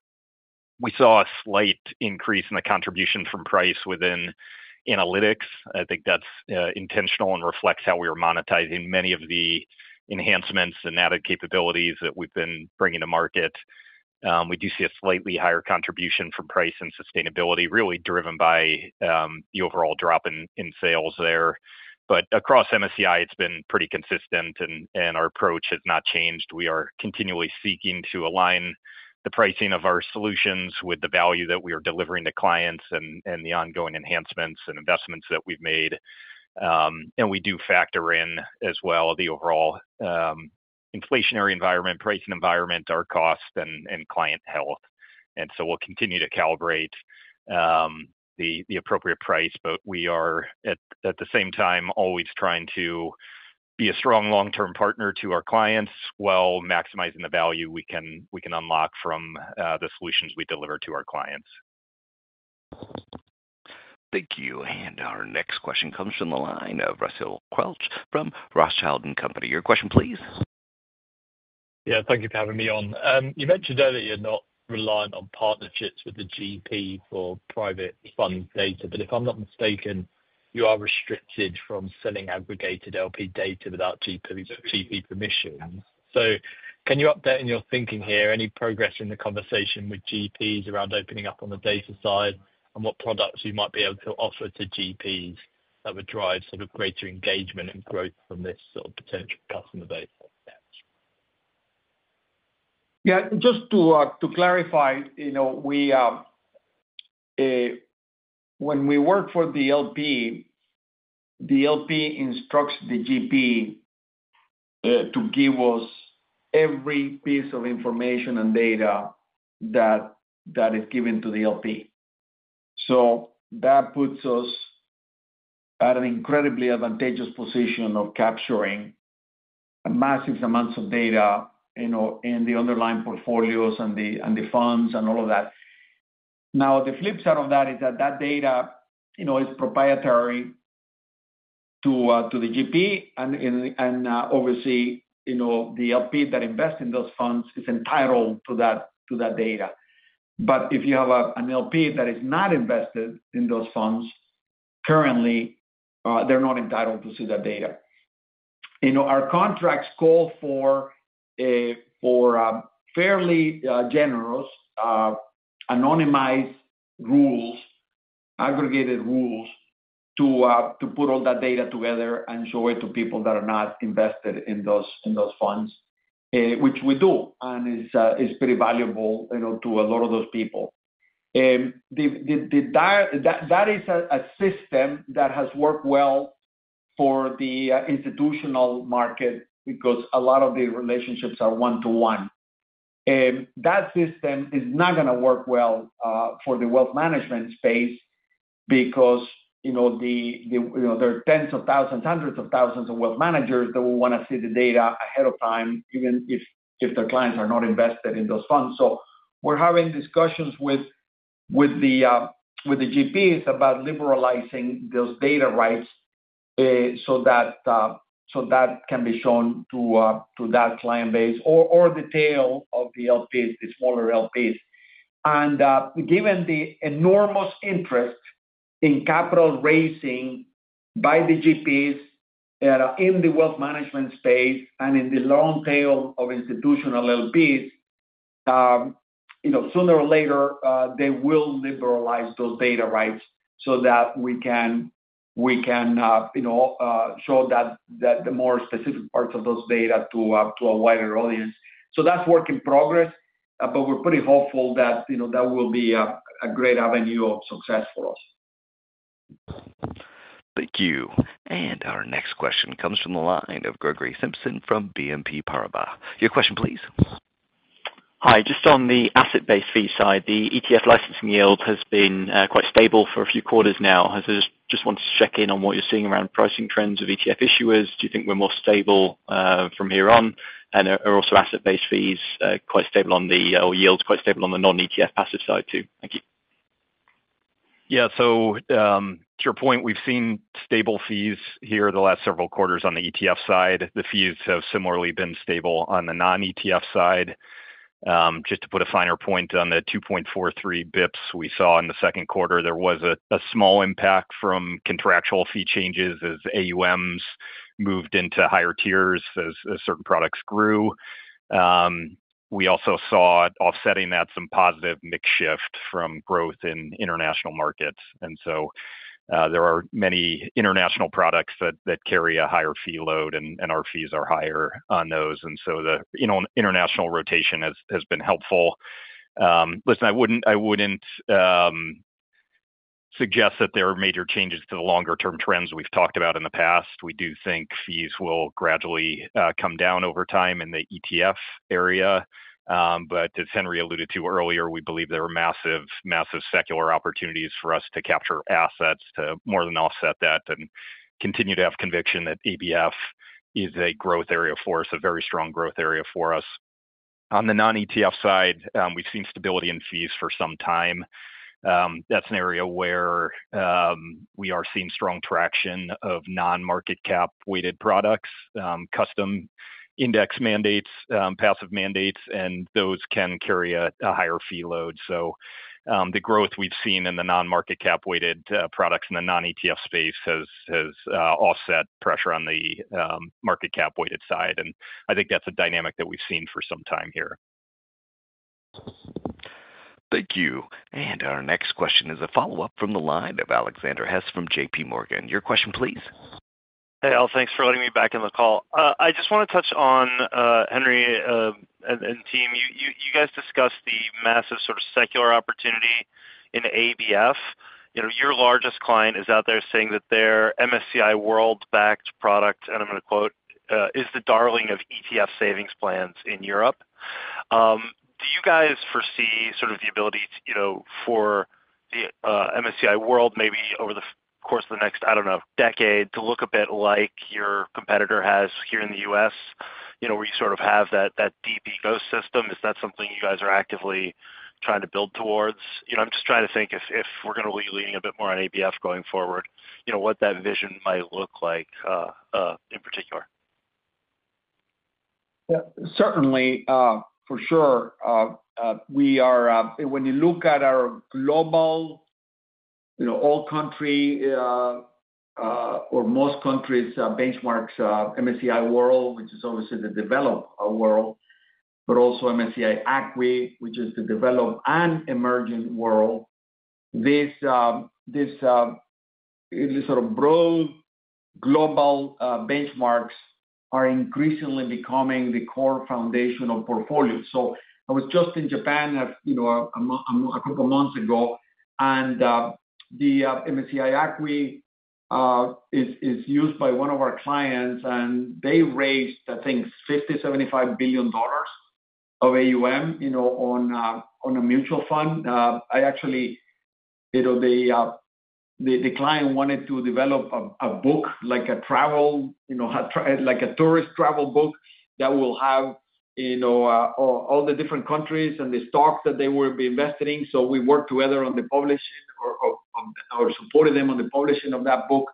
we saw a slight increase in the contribution from price within analytics. I think that's intentional and reflects how we are monetizing many of the enhancements and added capabilities that we've been bringing to market. We do see a slightly higher contribution from price in sustainability, really driven by the overall drop in sales there. Across MSCI, it's been pretty consistent, and our approach has not changed. We are continually seeking to align the pricing of our solutions with the value that we are delivering to clients and the ongoing enhancements and investments that we've made. We do factor in as well the overall inflationary environment, pricing environment, our cost, and client health. We will continue to calibrate the appropriate price, but we are at the same time always trying to be a strong long-term partner to our clients while maximizing the value we can unlock from the solutions we deliver to our clients. Thank you. Our next question comes from the line of Russell Quelch from Rothschild & Company. Your question, please. Yeah, thank you for having me on. You mentioned earlier you're not reliant on partnerships with the GP for private fund data, but if I'm not mistaken, you are restricted from selling aggregated LP data without GP permissions. Can you update on your thinking here? Any progress in the conversation with GP around opening up on the data side and what products you might be able to offer to GP that would drive sort of greater engagement and growth from this sort of potential customer base? Yeah. Just to clarify. When we work for the LP, the LP instructs the GP to give us every piece of information and data that is given to the LP. That puts us at an incredibly advantageous position of capturing massive amounts of data in the underlying portfolios and the funds and all of that. Now, the flip side of that is that that data is proprietary to the GP, and obviously the LP that invests in those funds is entitled to that data. If you have an LP that is not invested in those funds currently, they're not entitled to see that data. Our contracts call for fairly generous anonymized rules, aggregated rules, to put all that data together and show it to people that are not invested in those funds, which we do, and is pretty valuable to a lot of those people. That is a system that has worked well for the institutional market because a lot of the relationships are one-to-one. That system is not going to work well for the wealth management space because there are tens of thousands, hundreds of thousands of wealth managers that will want to see the data ahead of time, even if their clients are not invested in those funds. We are having discussions with the GPs about liberalizing those data rights so that can be shown to that client base or the tail of the LPs, the smaller LPs. Given the enormous interest in capital raising by the GPs in the wealth management space and in the long tail of institutional LPs, sooner or later, they will liberalize those data rights so that we can show the more specific parts of those data to a wider audience. That is work in progress, but we're pretty hopeful that that will be a great avenue of success for us. Thank you. Our next question comes from the line of Gregory Simpson from BNP Paribas. Your question, please. Hi. Just on the asset-based fee side, the ETF licensing yield has been quite stable for a few quarters now. I just wanted to check in on what you're seeing around pricing trends of ETF issuers. Do you think we're more stable from here on? Are also asset-based fees quite stable or yields quite stable on the non-ETF passive side too? Thank you. Yeah. To your point, we've seen stable fees here the last several quarters on the ETF side. The fees have similarly been stable on the non-ETF side. Just to put a finer point on the 2.43 bps we saw in the second quarter, there was a small impact from contractual fee changes as AUMs moved into higher tiers as certain products grew. We also saw, offsetting that, some positive mix shift from growth in international markets. There are many international products that carry a higher fee load, and our fees are higher on those. The international rotation has been helpful. Listen, I wouldn't suggest that there are major changes to the longer-term trends we've talked about in the past. We do think fees will gradually come down over time in the ETF area. As Henry alluded to earlier, we believe there are massive, massive secular opportunities for us to capture assets to more than offset that and continue to have conviction that ABF is a growth area for us, a very strong growth area for us. On the non-ETF side, we've seen stability in fees for some time. That's an area where we are seeing strong traction of non-market cap weighted products, custom index mandates, passive mandates, and those can carry a higher fee load. The growth we've seen in the non-market cap weighted products in the non-ETF space has offset pressure on the market cap weighted side. I think that's a dynamic that we've seen for some time here. Thank you. Our next question is a follow-up from the line of Alexander Hess from JPMorgan. Your question, please. Hey, Al, thanks for letting me back in the call. I just want to touch on, Henry and team. You guys discussed the massive sort of secular opportunity in ABF. Your largest client is out there saying that their MSCI World-backed product, and I'm going to quote, is the darling of ETF savings plans in Europe. Do you guys foresee sort of the ability for the MSCI World maybe over the course of the next, I don't know, decade to look a bit like your competitor has here in the US, where you sort of have that deep ecosystem? Is that something you guys are actively trying to build towards? I'm just trying to think if we're going to be leaning a bit more on ABF going forward, what that vision might look like in particular. Yeah. Certainly, for sure. When you look at our global, all-country, or most countries' benchmarks, MSCI World, which is obviously the developed world, but also MSCI ACWI, which is the developed and emerging world. These sort of broad global benchmarks are increasingly becoming the core foundation of portfolios. I was just in Japan a couple of months ago, and the MSCI ACWI is used by one of our clients, and they raised, I think, $50 billion-75 billion of AUM on a mutual fund. Actually, the client wanted to develop a book, like a travel, like a tourist travel book that will have all the different countries and the stocks that they will be invested in. We worked together on the publishing or supported them on the publishing of that book.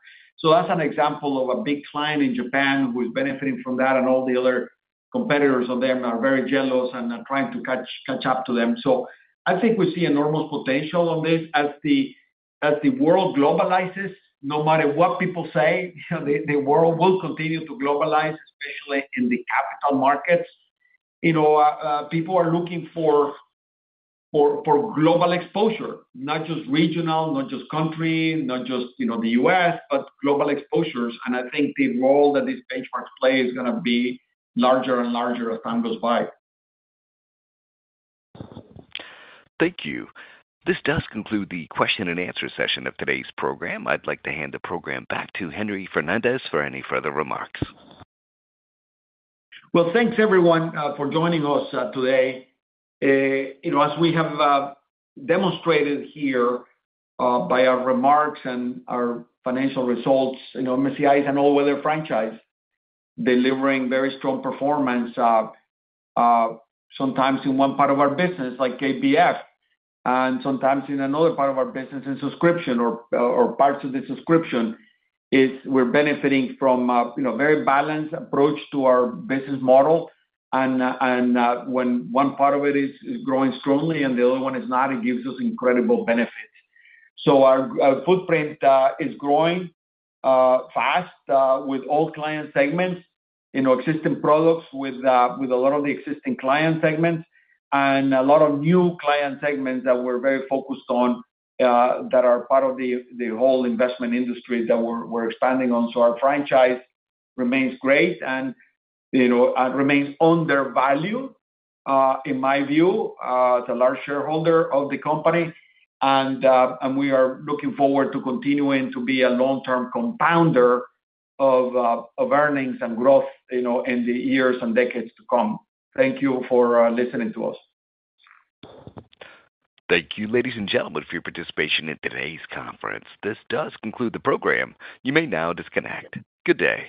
That's an example of a big client in Japan who is benefiting from that, and all the other competitors of them are very jealous and are trying to catch up to them. I think we see enormous potential on this. As the world globalizes, no matter what people say, the world will continue to globalize, especially in the capital markets. People are looking for global exposure, not just regional, not just country, not just the U.S., but global exposures. I think the role that these benchmarks play is going to be larger and larger as time goes by. Thank you. This does conclude the question and answer session of today's program. I'd like to hand the program back to Henry Fernandez for any further remarks. Thanks, everyone, for joining us today. As we have demonstrated here by our remarks and our financial results, MSCI is an all-weather franchise, delivering very strong performance. Sometimes in one part of our business, like ABF, and sometimes in another part of our business in subscription or parts of the subscription. We're benefiting from a very balanced approach to our business model. When one part of it is growing strongly and the other one is not, it gives us incredible benefits. Our footprint is growing fast with all client segments, existing products with a lot of the existing client segments, and a lot of new client segments that we're very focused on that are part of the whole investment industry that we're expanding on. Our franchise remains great and remains undervalued, in my view. As a large shareholder of the company, we are looking forward to continuing to be a long-term compounder of earnings and growth in the years and decades to come. Thank you for listening to us. Thank you, ladies and gentlemen, for your participation in today's conference. This does conclude the program. You may now disconnect. Good day.